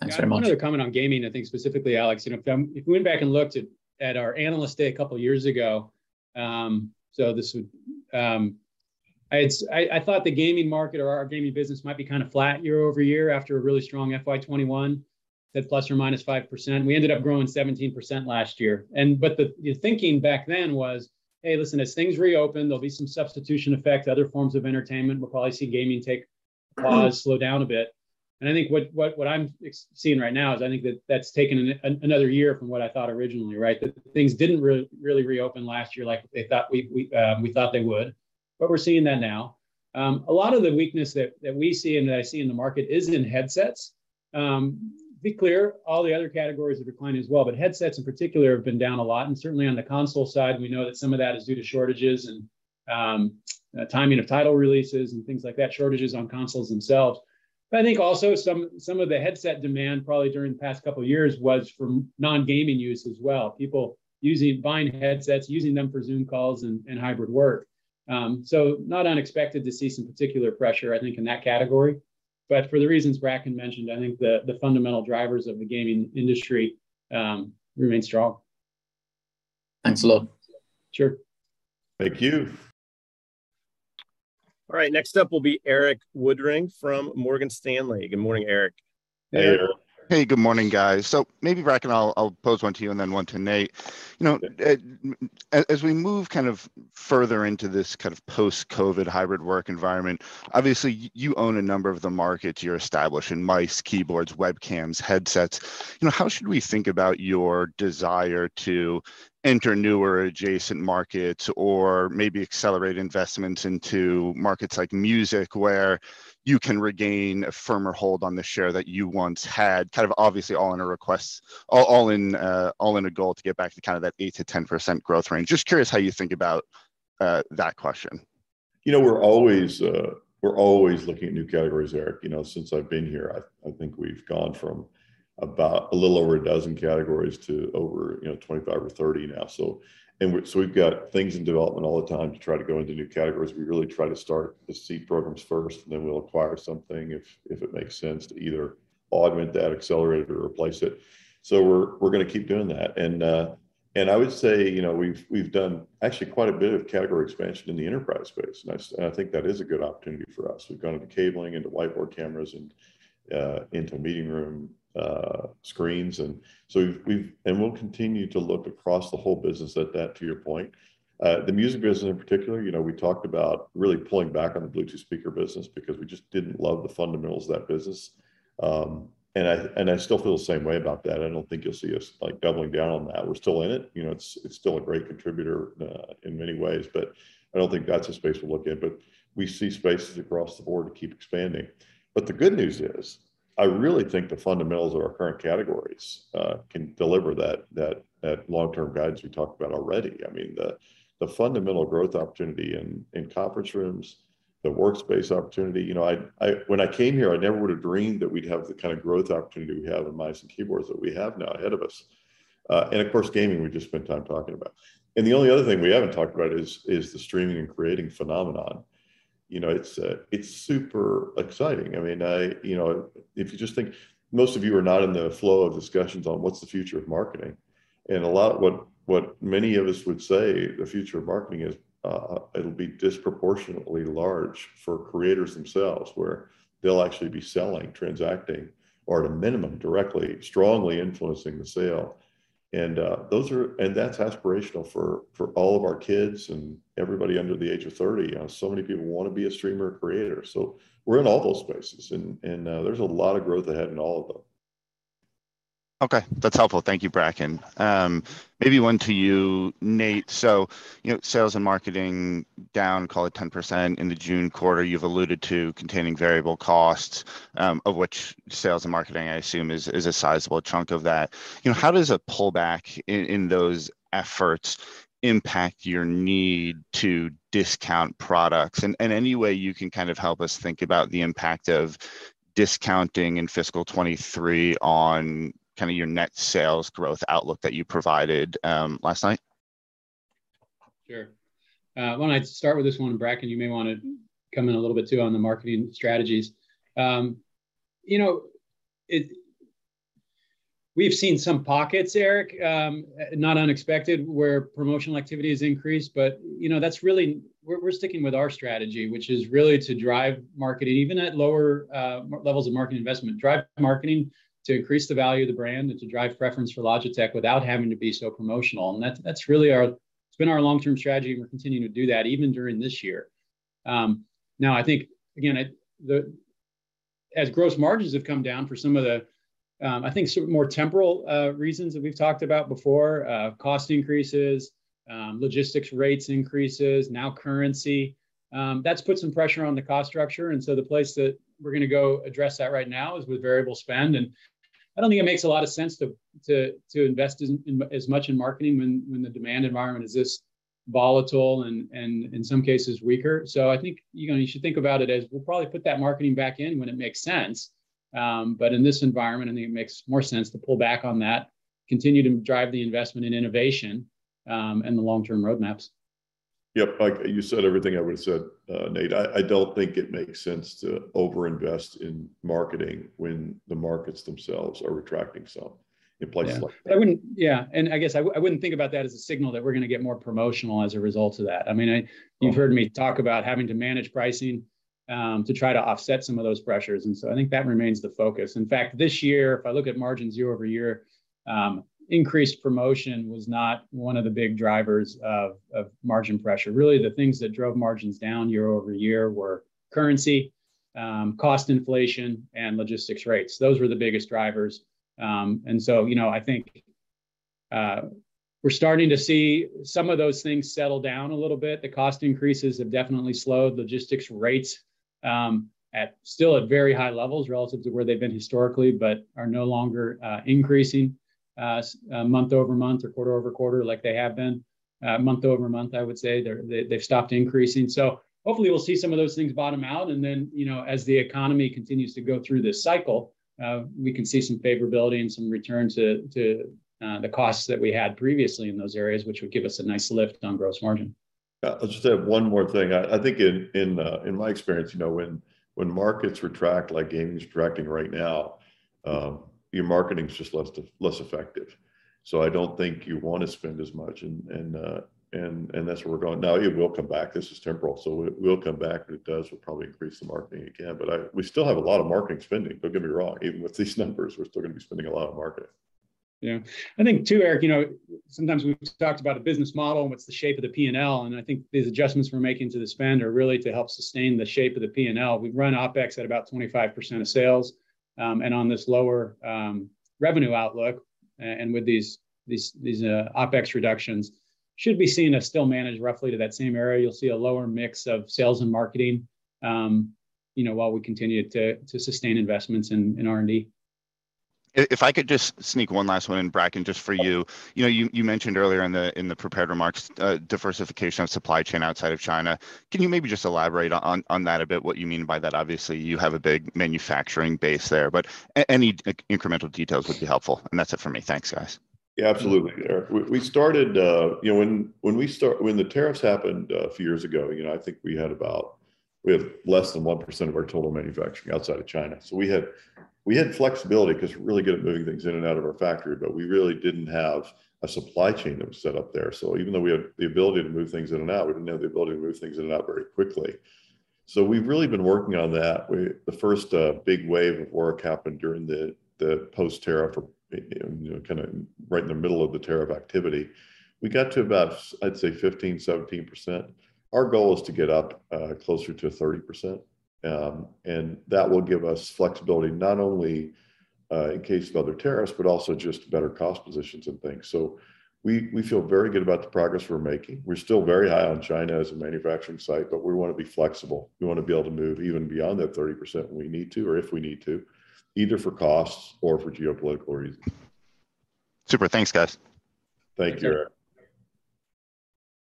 Thanks very much. One other comment on gaming, I think specifically, Alex. You know, if we went back and looked at our Analyst Day a couple years ago. I thought the gaming market or our gaming business might be kind of flat year over year after a really strong FY 2021 at ±5%. We ended up growing 17% last year. But the thinking back then was, "Hey, listen, as things reopen, there'll be some substitution effect, other forms of entertainment. We'll probably see gaming take a pause, slow down a bit." I think what I'm seeing right now is I think that's taken another year from what I thought originally, right? That things didn't really reopen last year like they thought we thought they would, but we're seeing that now. A lot of the weakness that we see and that I see in the market is in headsets. To be clear, all the other categories are declining as well, but headsets in particular have been down a lot. Certainly on the console side, we know that some of that is due to shortages and timing of title releases and things like that, shortages on consoles themselves. I think also some of the headset demand probably during the past couple years was for non-gaming use as well, people buying headsets, using them for Zoom calls and hybrid work. Not unexpected to see some particular pressure, I think, in that category. For the reasons Bracken mentioned, I think the fundamental drivers of the gaming industry remain strong. Thanks a lot. Sure. Thank you. All right. Next up will be Erik Woodring from Morgan Stanley. Good morning, Erik. Hey, Erik. Hey. Hey. Hey. Good morning, guys. Maybe, Bracken, I'll pose one to you and then one to Nate. You know, as we move kind of further into this kind of post-COVID hybrid work environment, obviously, you own a number of the markets you established in mice, keyboards, webcams, and headsets. You know, how should we think about your desire to enter newer adjacent markets or maybe accelerate investments into markets like music, where you can regain a firmer hold on the share that you once had, kind of obviously, all in an effort to get back to kind of that 8%-10% growth range? Just curious how you think about that question. You know, we're always looking at new categories, Erik. You know, since I've been here, I think we've gone from about a little over 12 categories to over, you know, 25 or 30 now. We've got things in development all the time to try to go into new categories. We really try to start the seed programs first, and then we'll acquire something if it makes sense to either augment that accelerator or replace it. We're gonna keep doing that. I would say, you know, we've done actually quite a bit of category expansion in the enterprise space, and I think that is a good opportunity for us. We've gone into cabling, into whiteboard cameras, and into meeting room screens, and so we've. We'll continue to look across the whole business at that, to your point. The music business in particular, you know, we talked about really pulling back on the Bluetooth speaker business because we just didn't love the fundamentals of that business. And I still feel the same way about that. I don't think you'll see us, like, doubling down on that. We're still in it. You know, it's still a great contributor in many ways, but I don't think that's a space we'll look in. We see spaces across the board to keep expanding. The good news is, I really think the fundamentals of our current categories can deliver that long-term guidance we talked about already. I mean, the fundamental growth opportunity in conference rooms, the workspace opportunity. You know, when I came here, I never would have dreamed that we'd have the kind of growth opportunity we have in mice and keyboards that we have now ahead of us. Of course, gaming, we just spent time talking about. The only other thing we haven't talked about is the streaming and creating phenomenon. You know, it's super exciting. I mean, you know, if you just think, most of you are not in the flow of discussions on what's the future of marketing. A lot, what many of us would say the future of marketing is, it'll be disproportionately large for creators themselves, where they'll actually be selling, transacting, or at a minimum, directly, strongly influencing the sale. That's aspirational for all of our kids and everybody under the age of thirty. You know, so many people wanna be a streamer or creator. We're in all those spaces and there's a lot of growth ahead in all of them. Okay, that's helpful. Thank you, Bracken. Maybe one to you, Nate. You know, sales and marketing down, call it, 10% in the June quarter. You've alluded to containing variable costs, of which sales and marketing, I assume, is a sizable chunk of that. You know, how does a pullback in those efforts impact your need to discount products? And any way you can kind of help us think about the impact of discounting in fiscal 2023 on kind of your net sales growth outlook that you provided, last night? Sure. Why don't I start with this one, Bracken. You may wanna come in a little bit too on the marketing strategies. You know, we've seen some pockets, Erik, not unexpected, where promotional activity has increased. You know, that's really. We're sticking with our strategy, which is really to drive marketing, even at lower levels of marketing investment. Drive marketing to increase the value of the brand and to drive preference for Logitech without having to be so promotional. That's really our. It's been our long-term strategy, and we're continuing to do that even during this year. Now I think, again, as gross margins have come down for some of the, I think some more temporal reasons that we've talked about before, cost increases, logistics rates increases, now currency, that's put some pressure on the cost structure. The place that we're gonna go address that right now is with variable spend. I don't think it makes a lot of sense to invest in as much in marketing when the demand environment is this volatile and in some cases weaker. I think, you know, you should think about it as we'll probably put that marketing back in when it makes sense. In this environment, I think it makes more sense to pull back on that, continue to drive the investment in innovation, and the long-term roadmaps. Yep. Like you said everything I would've said, Nate. I don't think it makes sense to over-invest in marketing when the markets themselves are contracting some in places like that. Yeah. I wouldn't think about that as a signal that we're gonna get more promotional as a result of that. I mean, you've heard me talk about having to manage pricing to try to offset some of those pressures, and so I think that remains the focus. In fact, this year, if I look at margins year-over-year, increased promotion was not one of the big drivers of margin pressure. Really, the things that drove margins down year-over-year were currency, cost inflation, and logistics rates. Those were the biggest drivers. You know, I think we're starting to see some of those things settle down a little bit. The cost increases have definitely slowed. Logistics rates are still at very high levels relative to where they've been historically, but are no longer increasing month-over-month or quarter-over-quarter like they have been. Month-over-month, I would say, they've stopped increasing. Hopefully we'll see some of those things bottom out, and then, you know, as the economy continues to go through this cycle, we can see some favorability and some return to the costs that we had previously in those areas, which would give us a nice lift on gross margin. Yeah. I'll just add one more thing. I think in my experience, you know, when markets retract like gaming's retracting right now, your marketing's just less effective. I don't think you wanna spend as much, and that's where we're going. Now, it will come back. This is temporary, so it will come back. When it does, we'll probably increase the marketing again. We still have a lot of marketing spending. Don't get me wrong. Even with these numbers, we're still gonna be spending a lot on marketing. Yeah. I think too, Erik, you know, sometimes we've talked about a business model and what's the shape of the P&L, and I think these adjustments we're making to the spend are really to help sustain the shape of the P&L. We run OpEx at about 25% of sales, and on this lower revenue outlook, and with these OpEx reductions, should be seen as still managed roughly to that same area. You'll see a lower mix of sales and marketing, you know, while we continue to sustain investments in R&D. If I could just sneak one last one in, Bracken, just for you. You know, you mentioned earlier in the prepared remarks, diversification of the supply chain outside of China. Can you maybe just elaborate on that a bit, what you mean by that? Obviously, you have a big manufacturing base there, but any incremental details would be helpful. That's it for me. Thanks, guys. Yeah, absolutely, Erik. We started. You know, when the tariffs happened a few years ago, you know, I think we have less than 1% of our total manufacturing outside of China. So we had flexibility 'cause we're really good at moving things in and out of our factory, but we really didn't have a supply chain that was set up there. So even though we had the ability to move things in and out, we didn't have the ability to move things in and out very quickly. So we've really been working on that. The first big wave of work happened during the post-tariff, you know, kind of right in the middle of the tariff activity. We got to about, I'd say, 15%-17%. Our goal is to get up closer to 30%, and that will give us flexibility not only in case of other tariffs, but also just better cost positions and things. We feel very good about the progress we're making. We're still very high on China as a manufacturing site, but we wanna be flexible. We wanna be able to move even beyond that 30% when we need to or if we need to, either for costs or for geopolitical reasons. Super. Thanks, guys. Thank you, Erik.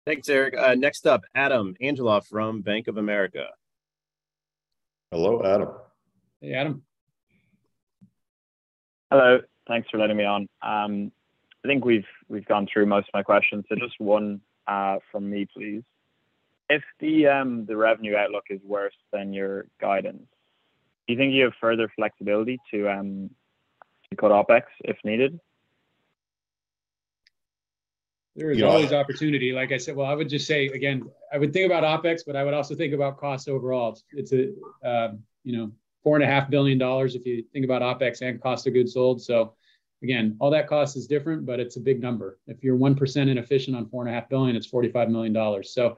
Thanks, Erik. Next up, Adam Angelov from Bank of America. Hello, Adam. Hey, Adam. Hello. Thanks for letting me on. I think we've gone through most of my questions, so just one from me, please. If the revenue outlook is worse than your guidance, do you think you have further flexibility to cut OpEx if needed? There is always an opportunity. Like I said. Well, I would just say, again, I would think about OpEx, but I would also think about costs overall. It's, you know, $4.5 billion if you think about OpEx and cost of goods sold. Again, all that cost is different, but it's a big number. If you're 1% inefficient on $4.5 billion, it's $45 million.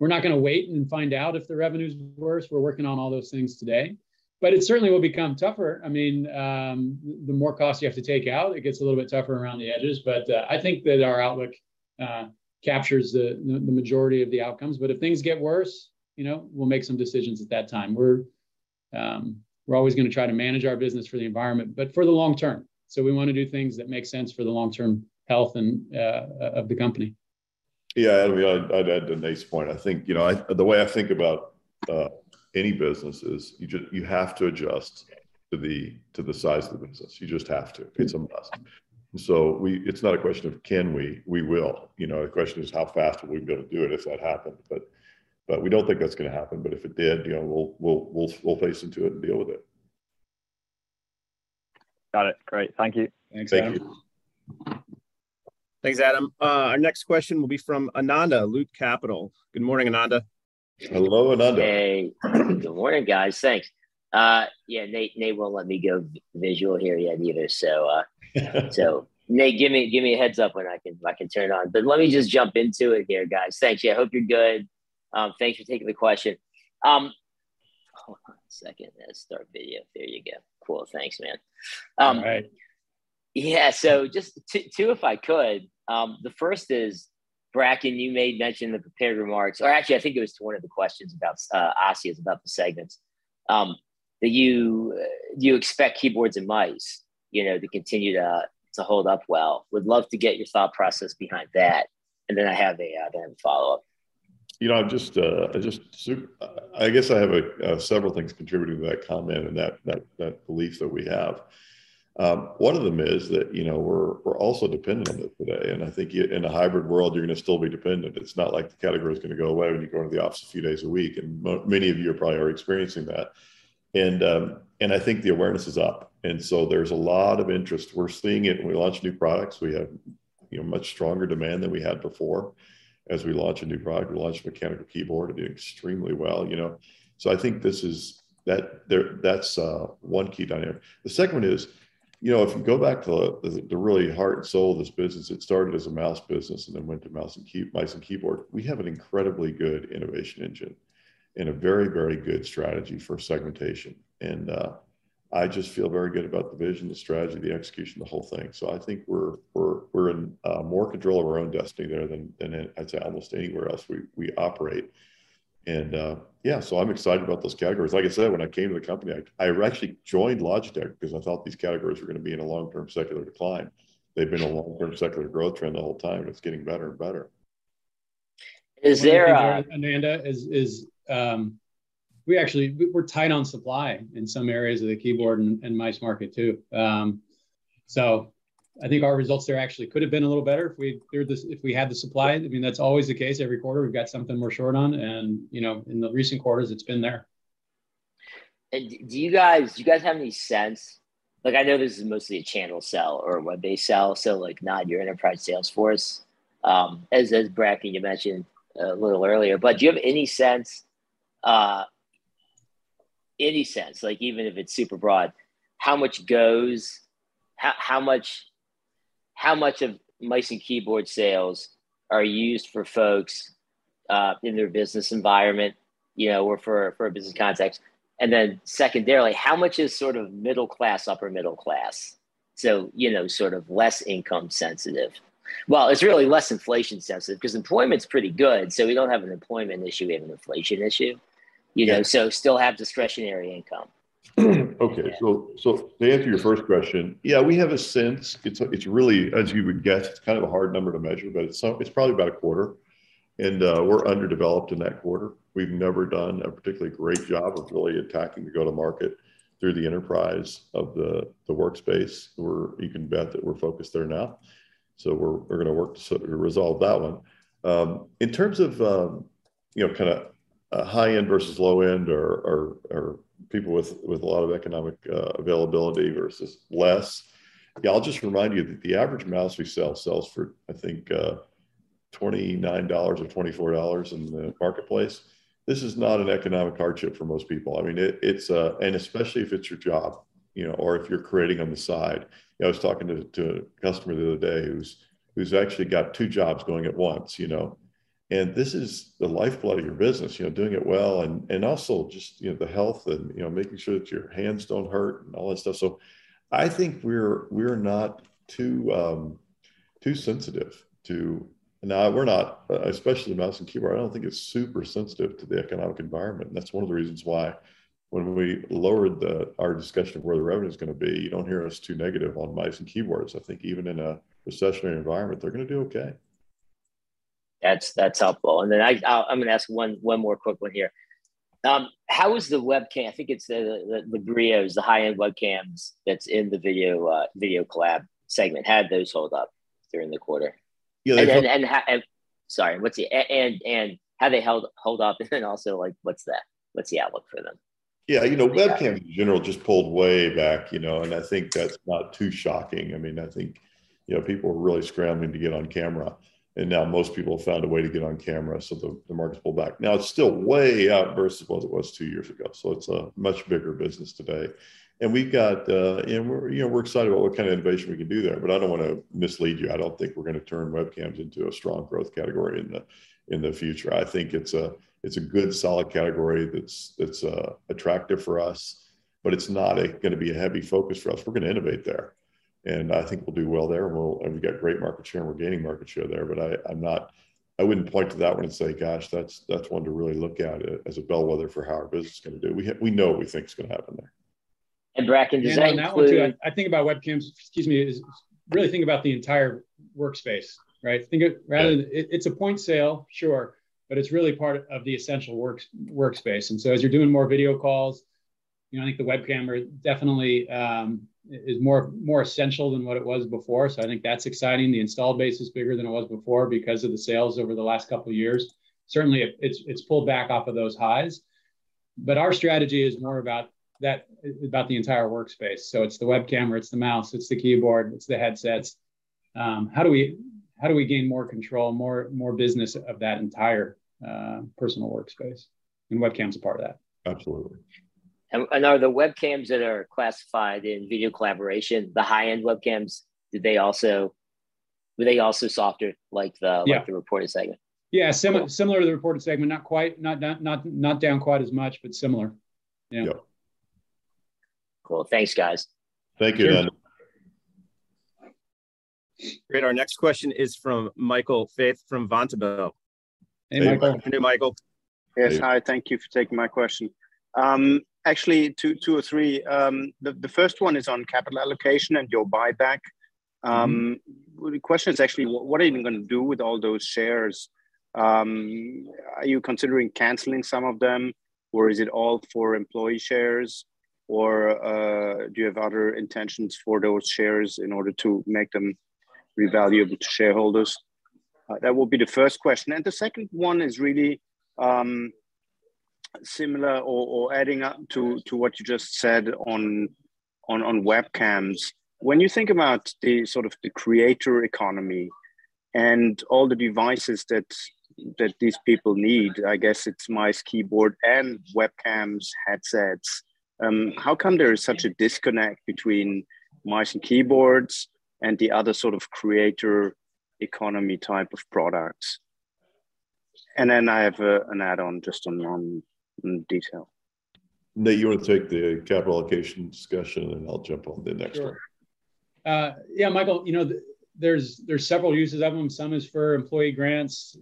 We're not gonna wait and find out if the revenue's worse. We're working on all those things today. It certainly will become tougher. I mean, the more costs you have to take out, it gets a little bit tougher around the edges. I think that our outlook captures the majority of the outcomes. If things get worse, you know, we'll make some decisions at that time. We're always gonna try to manage our business for the environment, but for the long term. We wanna do things that make sense for the long-term health of the company. Yeah, I mean, I'd add to Nate's point. I think, you know, the way I think about any business is you just have to adjust to the size of the business. You just have to. It's a must. It's not a question of can we will. You know, the question is how fast are we gonna do it if that happened. We don't think that's gonna happen, but if it did, you know, we'll face into it and deal with it. Got it. Great. Thank you. Thank you. Thanks, Adam. Our next question will be from Ananda, Loop Capital. Good morning, Ananda. Hello, Ananda. Hey. Good morning, guys. Thanks. Yeah, Nate won't let me go visual here yet either. Nate, give me a heads up when I can turn it on. Let me just jump into it here, guys. Thanks. Yeah, I hope you're good. Thanks for taking the question. Hold on one second. Let's start video. There you go. Cool. Thanks, man. All right. Yeah, just two if I could. The first is, Bracken, you made mention in the prepared remarks, or actually I think it was to one of the questions about Asiya about the segments, that you expect keyboards and mice, you know, to continue to hold up well. Would love to get your thought process behind that, and then I have a then follow-up. You know, I'm just, I just I guess I have several things contributing to that comment and that belief that we have. One of them is that, you know, we're also dependent on it today, and I think in a hybrid world you're gonna still be dependent. It's not like the category's gonna go away when you go into the office a few days a week, and many of you are probably already experiencing that. I think the awareness is up, and so there's a lot of interest. We're seeing it when we launch new products. We have, you know, much stronger demand than we had before as we launch a new product. We launched a mechanical keyboard. It did extremely well, you know. I think that's one key dynamic. The second one is, if you go back to the really heart and soul of this business, it started as a mouse business and then went to mice and keyboard. We have an incredibly good innovation engine and a very good strategy for segmentation. I just feel very good about the vision, the strategy, the execution, the whole thing. I think we're in more control of our own destiny there than at, I'd say almost anywhere else we operate. I'm excited about those categories. Like I said, when I came to the company I actually joined Logitech because I thought these categories were gonna be in a long-term secular decline. They've been a long-term secular growth trend the whole time, and it's getting better and better. Is there? Ananda, we're tight on supply in some areas of the keyboard and mice market too. I think our results there actually could have been a little better if we had the supply. I mean, that's always the case every quarter, we've got something we're short on and, you know, in the recent quarters it's been there. Do you guys have any sense, like I know this is mostly a channel sell or a web-based sell, so like not your enterprise sales force, as Bracken, you mentioned a little earlier. Do you have any sense, like even if it's super broad, how much of mice and keyboard sales are used for folks in their business environment, you know, or for a business context? Secondarily, how much is sort of middle class, upper middle class? You know, sort of less income sensitive. Well, it's really less inflation sensitive, 'cause employment's pretty good, so we don't have an employment issue, we have an inflation issue. You know. Yeah still have discretionary income. Okay. To answer your first question, yeah, we have a sense. It's really, as you would guess, it's kind of a hard number to measure, but it's probably about a quarter. We're underdeveloped in that quarter. We've never done a particularly great job of really attacking the go-to-market through the enterprise of the workspace. You can bet that we're focused there now. We're gonna work to sort of resolve that one. In terms of, you know, kind of, high-end versus low-end or people with a lot of economic availability versus less, yeah, I'll just remind you that the average mouse we sell sells for, I think, $29 or $24 in the marketplace. This is not an economic hardship for most people. I mean, it's. Especially if it's your job, you know, or if you're creating on the side. You know, I was talking to a customer the other day who's actually got two jobs going at once, you know? This is the lifeblood of your business, you know, doing it well and also just, you know, the health and, you know, making sure that your hands don't hurt and all that stuff. I think we're not too sensitive to. No, we're not, especially mouse and keyboard. I don't think it's super sensitive to the economic environment, and that's one of the reasons why when we lowered our discussion of where the revenue's gonna be, you don't hear us too negative on mice and keyboards. I think even in a recessionary environment, they're gonna do okay. That's helpful. Then I'm gonna ask one more quick one here. How is the webcam? I think it's the Brio, the high-end webcams that are in the video collab segment. How did those hold up during the quarter? Yeah. Sorry, how they holding up, and then also, like, what's the outlook for them? Yeah, you know, webcam in general just pulled way back, you know, and I think that's not too shocking. I mean, I think, you know, people were really scrambling to get on camera, and now most people have found a way to get on camera, so the market's pulled back. Now, it's still way up versus what it was two years ago, so it's a much bigger business today. We're, you know, excited about what kind of innovation we can do there, but I don't wanna mislead you. I don't think we're gonna turn webcams into a strong growth category in the future. I think it's a good solid category that's attractive for us, but it's not gonna be a heavy focus for us. We're gonna innovate there, and I think we'll do well there. We've got great market share and we're gaining market share there. I'm not. I wouldn't point to that one and say, "Gosh, that's one to really look at as a bellwether for how our business is gonna do." We know what we think is gonna happen there. Bracken, does that include? On that one too, I think about webcams, excuse me, is really think about the entire workspace, right? Yeah It's a point sale, sure, but it's really part of the essential workspace. As you're doing more video calls, you know, I think the webcam is definitely more essential than what it was before, so I think that's exciting. The install base is bigger than it was before because of the sales over the last couple of years. Certainly it's pulled back off of those highs. Our strategy is more about that, about the entire workspace. It's the webcam, or it's the mouse, it's the keyboard, it's the headsets. How do we gain more control, more business of that entire personal workspace? Webcam's a part of that. Absolutely. Were the webcams that are classified in video collaboration, the high-end webcams, also softer like the? Yeah Like the reported segment? Yeah. Similar to the reported segment. Not quite, not down quite as much, but similar. Yeah. Yep. Cool. Thanks, guys. Thank you, Adam. Sure. Great. Our next question is from Michael Foeth from Vontobel. Hey, Michael. How are you doing, Michael? Yes. Hi. Thank you for taking my question. Actually two or three. The first one is on capital allocation and your buyback. Well, the question is actually, what are you gonna do with all those shares? Are you considering canceling some of them, or is it all for employee shares, or do you have other intentions for those shares in order to make them revaluable to shareholders? That will be the first question. The second one is really similar or adding up to what you just said on webcams. When you think about the sort of creator economy and all the devices that these people need, I guess it's mice, keyboard, and webcams, headsets, how come there is such a disconnect between mice and keyboards and the other sort of creator economy type of products? I have an add-on just on one detail. Nate, you wanna take the capital allocation discussion, and then I'll jump on the next one? Sure. Michael, you know, there's several uses of them. Some is for employee grants.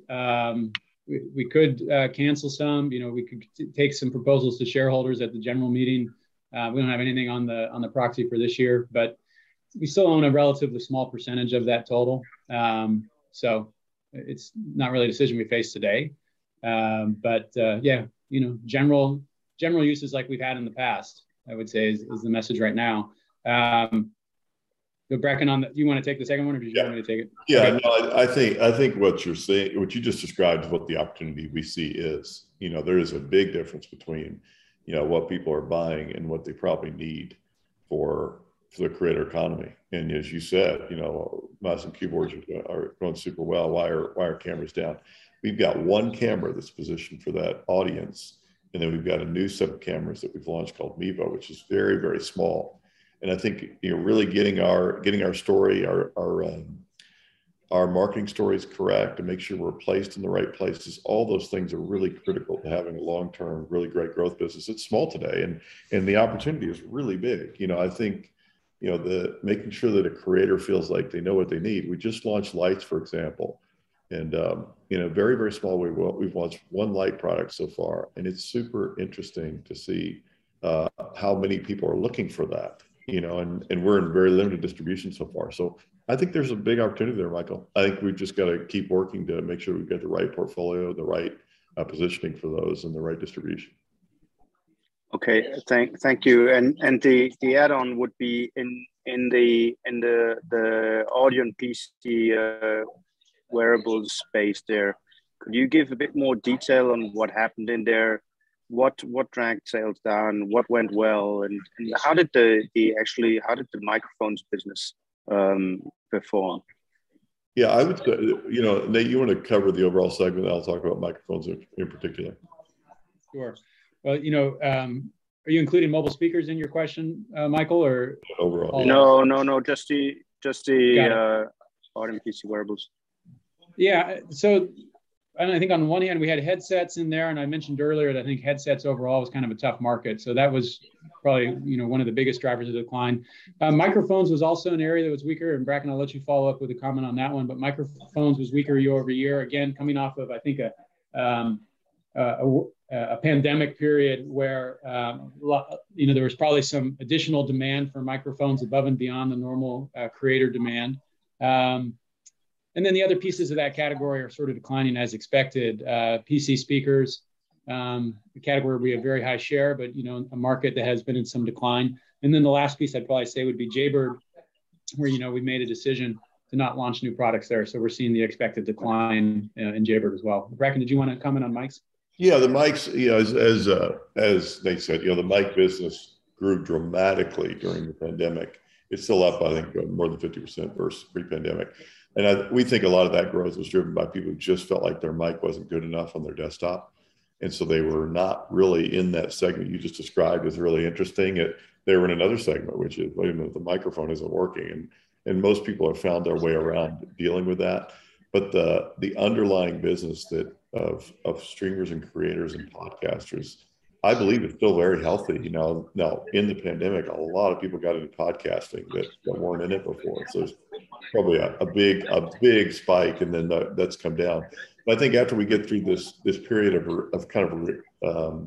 We could cancel some. You know, we could take some proposals to shareholders at the general meeting. We don't have anything on the proxy for this year. We still own a relatively small percentage of that total, so it's not really a decision we face today. You know, general uses like we've had in the past, I would say is the message right now. Bracken, on that, do you wanna take the second one? Yeah Do you want me to take it? Yeah. No, I think what you're saying, what you just described, is what the opportunity we see is. You know, there is a big difference between, you know, what people are buying and what they probably need for the creator economy. As you said, you know, mice and keyboards are going super well. Why are cameras down? We've got one camera that's positioned for that audience, and then we've got a new set of cameras that we've launched called Mevo, which is very, very small. I think, you know, really getting our story, our marketing stories correct and making sure we're placed in the right places, all those things are really critical to having a long-term, really great growth business. It's small today, and the opportunity is really big. You know, I think, you know, the making sure that a creator feels like they know what they need. We just launched lights, for example. In a very small way, we've launched one light product so far, and it's super interesting to see how many people are looking for that. You know, we're in very limited distribution so far. I think there's a big opportunity there, Michael. I think we've just gotta keep working to make sure we've got the right portfolio, the right positioning for those, and the right distribution. Thank you. The add-on would be in the audio and PC wearables space there. Could you give a bit more detail on what happened in there? What dragged sales down? What went well? How did the microphones business actually perform? Yeah. I would say, you know, Nate, you wanna cover the overall segment? I'll talk about microphones in particular. Sure. Well, you know, are you including mobile speakers in your question, Michael, or all- Overall No, just the Yeah RM, PC, and Wearables. Yeah, I think on one hand we had headsets in there, and I mentioned earlier that I think headsets overall were kind of a tough market, so that was probably, you know, one of the biggest drivers of decline. Microphones was also an area that was weaker, and Bracken, I'll let you follow up with a comment on that one, but microphones was weaker year-over-year, again, coming off of, I think, a pandemic period where you know, there was probably some additional demand for microphones above and beyond the normal creator demand. Then the other pieces of that category are sort of declining as expected. PC speakers, the category we have very high share but, you know, a market that has been in some decline. The last piece I'd probably say would be Jaybird, where, you know, we made a decision to not launch new products there, so we're seeing the expected decline in Jaybird as well. Bracken, did you wanna comment on mics? Yeah, the mics, you know, as Nate said, you know, the mic business grew dramatically during the pandemic. It's still up, I think, more than 50% versus pre-pandemic, and we think a lot of that growth was driven by people who just felt like their mic wasn't good enough on their desktop, and so they were not really in that segment you just described as really interesting. They were in another segment, which is, you know, the microphone isn't working, and most people have found their way around dealing with that. But the underlying business that of streamers and creators and podcasters, I believe is still very healthy. You know, now in the pandemic, a lot of people got into podcasting that weren't in it before, so it's probably a big spike, and then that's come down. I think after we get through this period of kind of a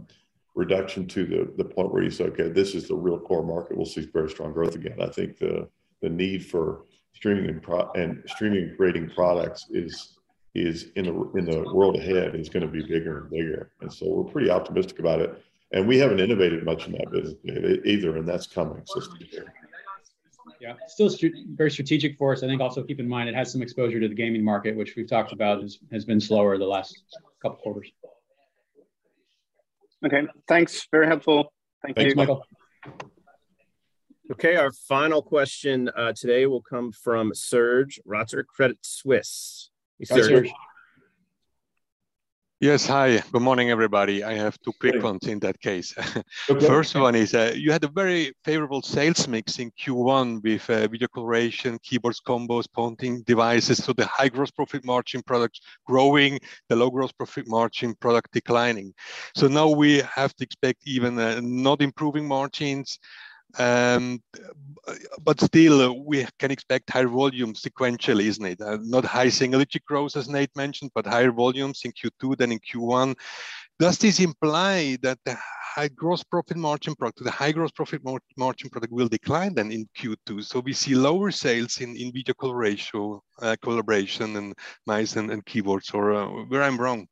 reduction to the point where you say, "Okay, this is the real core market," we'll see very strong growth again. I think the need for streaming and streaming-creating products is in the world ahead is gonna be bigger and bigger. We're pretty optimistic about it, and we haven't innovated much in that business either, and that's coming, so stay there. Yeah. Still very strategic for us. I think also keep in mind it has some exposure to the gaming market, which we've talked about has been slower the last couple of quarters. Okay. Thanks. Very helpful. Thank you. Thanks, Michael. Okay, our final question today will come from Serge Rotzer, Credit Suisse. Hey, Serge. Hi, Serge. Yes. Hi, good morning, everybody. I have two quick ones in that case. Good morning. First one is, you had a very favorable sales mix in Q1 with Video Collaboration, Keyboards and Combos, and Pointing Devices, so the high gross profit margin products growing, the low gross profit margin product declining. Now we have to expect even not improving margins, but still we can expect high volume sequentially, isn't it? Not high single-digit growth, as Nate mentioned, but higher volumes in Q2 than in Q1. Does this imply that the high gross profit margin product will decline then in Q2, so we see lower sales in video collaboration and mice and keyboards, or where I'm wrong?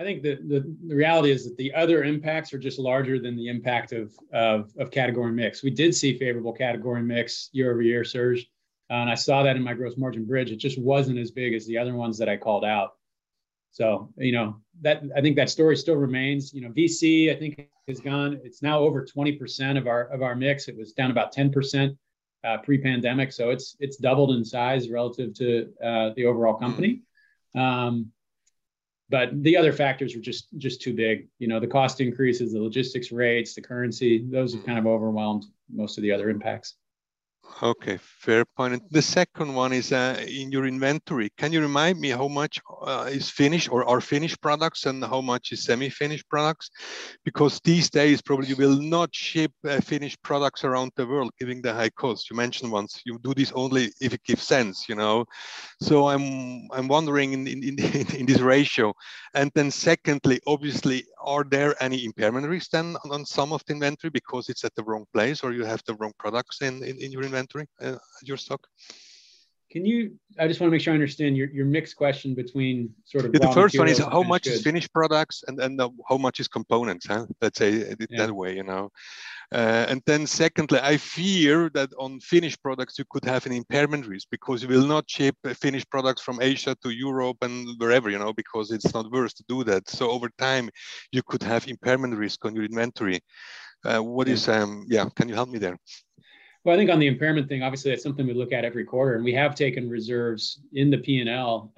I think the reality is that the other impacts are just larger than the impact of category mix. We did see favorable category mix year-over-year, Serge, and I saw that in my gross margin bridge. It just wasn't as big as the other ones that I called out. You know, that story still remains. You know, VC, I think, has grown. It's now over 20% of our mix. It was down about 10% pre-pandemic, so it's doubled in size relative to the overall company. But the other factors were just too big. You know, the cost increases, the logistics rates, the currency, those have kind of overwhelmed most of the other impacts. Okay, fair point. The second one is, in your inventory, can you remind me how much is finished or are finished products and how much is semi-finished products? Because these days probably you will not ship finished products around the world given the high cost. You mentioned once you do this only if it gives sense, you know? I'm wondering in this ratio. Then secondly, obviously, are there any impairment risks then on some of the inventory because it's at the wrong place or you have the wrong products in your inventory, your stock? I just wanna make sure I understand your mixed question between sort of raw materials and finished goods? The first one is how much is finished products and then how much is components, huh? Let's say it that way, you know. Yeah. Secondly, I fear that on finished products you could have an impairment risk because you will not ship a finished product from Asia to Europe and wherever, you know, because it's not worth to do that. Over time you could have impairment risk on your inventory. Can you help me there? Well, I think on the impairment thing, obviously that's something we look at every quarter, and we have taken reserves in the P&L,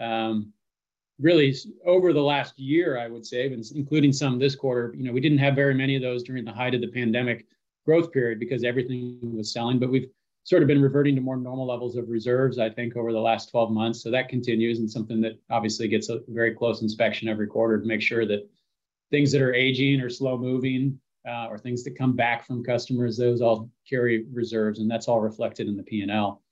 really over the last year, I would say, and including some this quarter. You know, we didn't have very many of those during the height of the pandemic growth period because everything was selling, but we've sort of been reverting to more normal levels of reserves, I think, over the last 12 months. That continues and something that obviously gets a very close inspection every quarter to make sure that things that are aging or slow moving, or things that come back from customers, those all carry reserves, and that's all reflected in the P&L.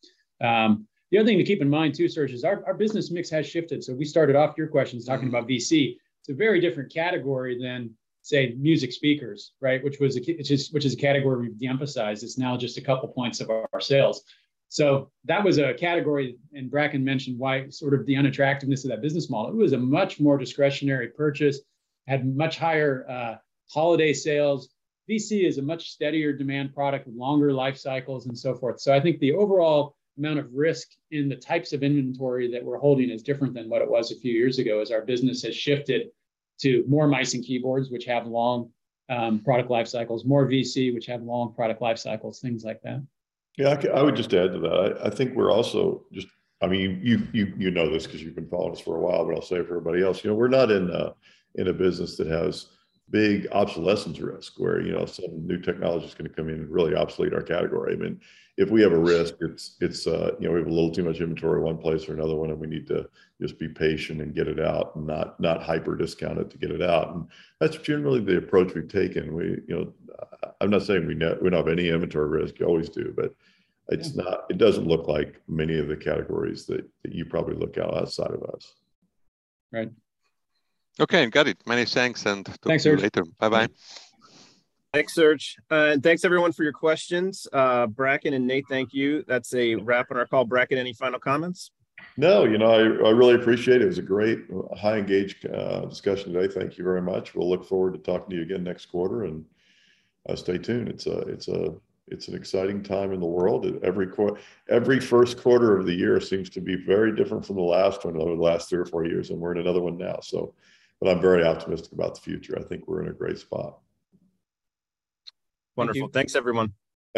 The other thing to keep in mind too, Serge, is our business mix has shifted. We started off your questions talking about VC. It's a very different category than, say, music speakers, right? Which is a category we've de-emphasized. It's now just a couple points of our sales. That was a category, and Bracken mentioned why, sort of the unattractiveness of that business model. It was a much more discretionary purchase, had much higher holiday sales. VC is a much steadier demand product with longer life cycles and so forth. I think the overall amount of risk in the types of inventory that we're holding is different than what it was a few years ago as our business has shifted to more mice and keyboards, which have long product life cycles, more VC, which have long product life cycles, things like that. Yeah, I would just add to that. I think we're also just I mean, you know this 'cause you've been following us for a while, but I'll say it for everybody else, you know, we're not in a business that has big obsolescence risk where, you know, some new technology's gonna come in and really obsolete our category. I mean, if we have a risk, it's, you know, we have a little too much inventory in one place or another one and we need to just be patient and get it out and not hyper discount it to get it out, and that's generally the approach we've taken. You know, I'm not saying we don't have any inventory risk. You always do, but it's not- Yeah It doesn't look like many of the categories that you probably look at outside of us. Right. Okay. Got it. Many thanks and talk to you later. Thanks, Serge. Bye-bye. Thanks, Serge. Thanks, everyone, for your questions. Bracken and Nate, thank you. That's a wrap on our call. Bracken, any final comments? No. You know, I really appreciate it. It was a great, highly engaged discussion today. Thank you very much. We'll look forward to talking to you again next quarter, and stay tuned. It's an exciting time in the world, and every first quarter of the year seems to be very different from the last one over the last three or four years, and we're in another one now. I'm very optimistic about the future. I think we're in a great spot. Thank you. Wonderful. Thanks, everyone.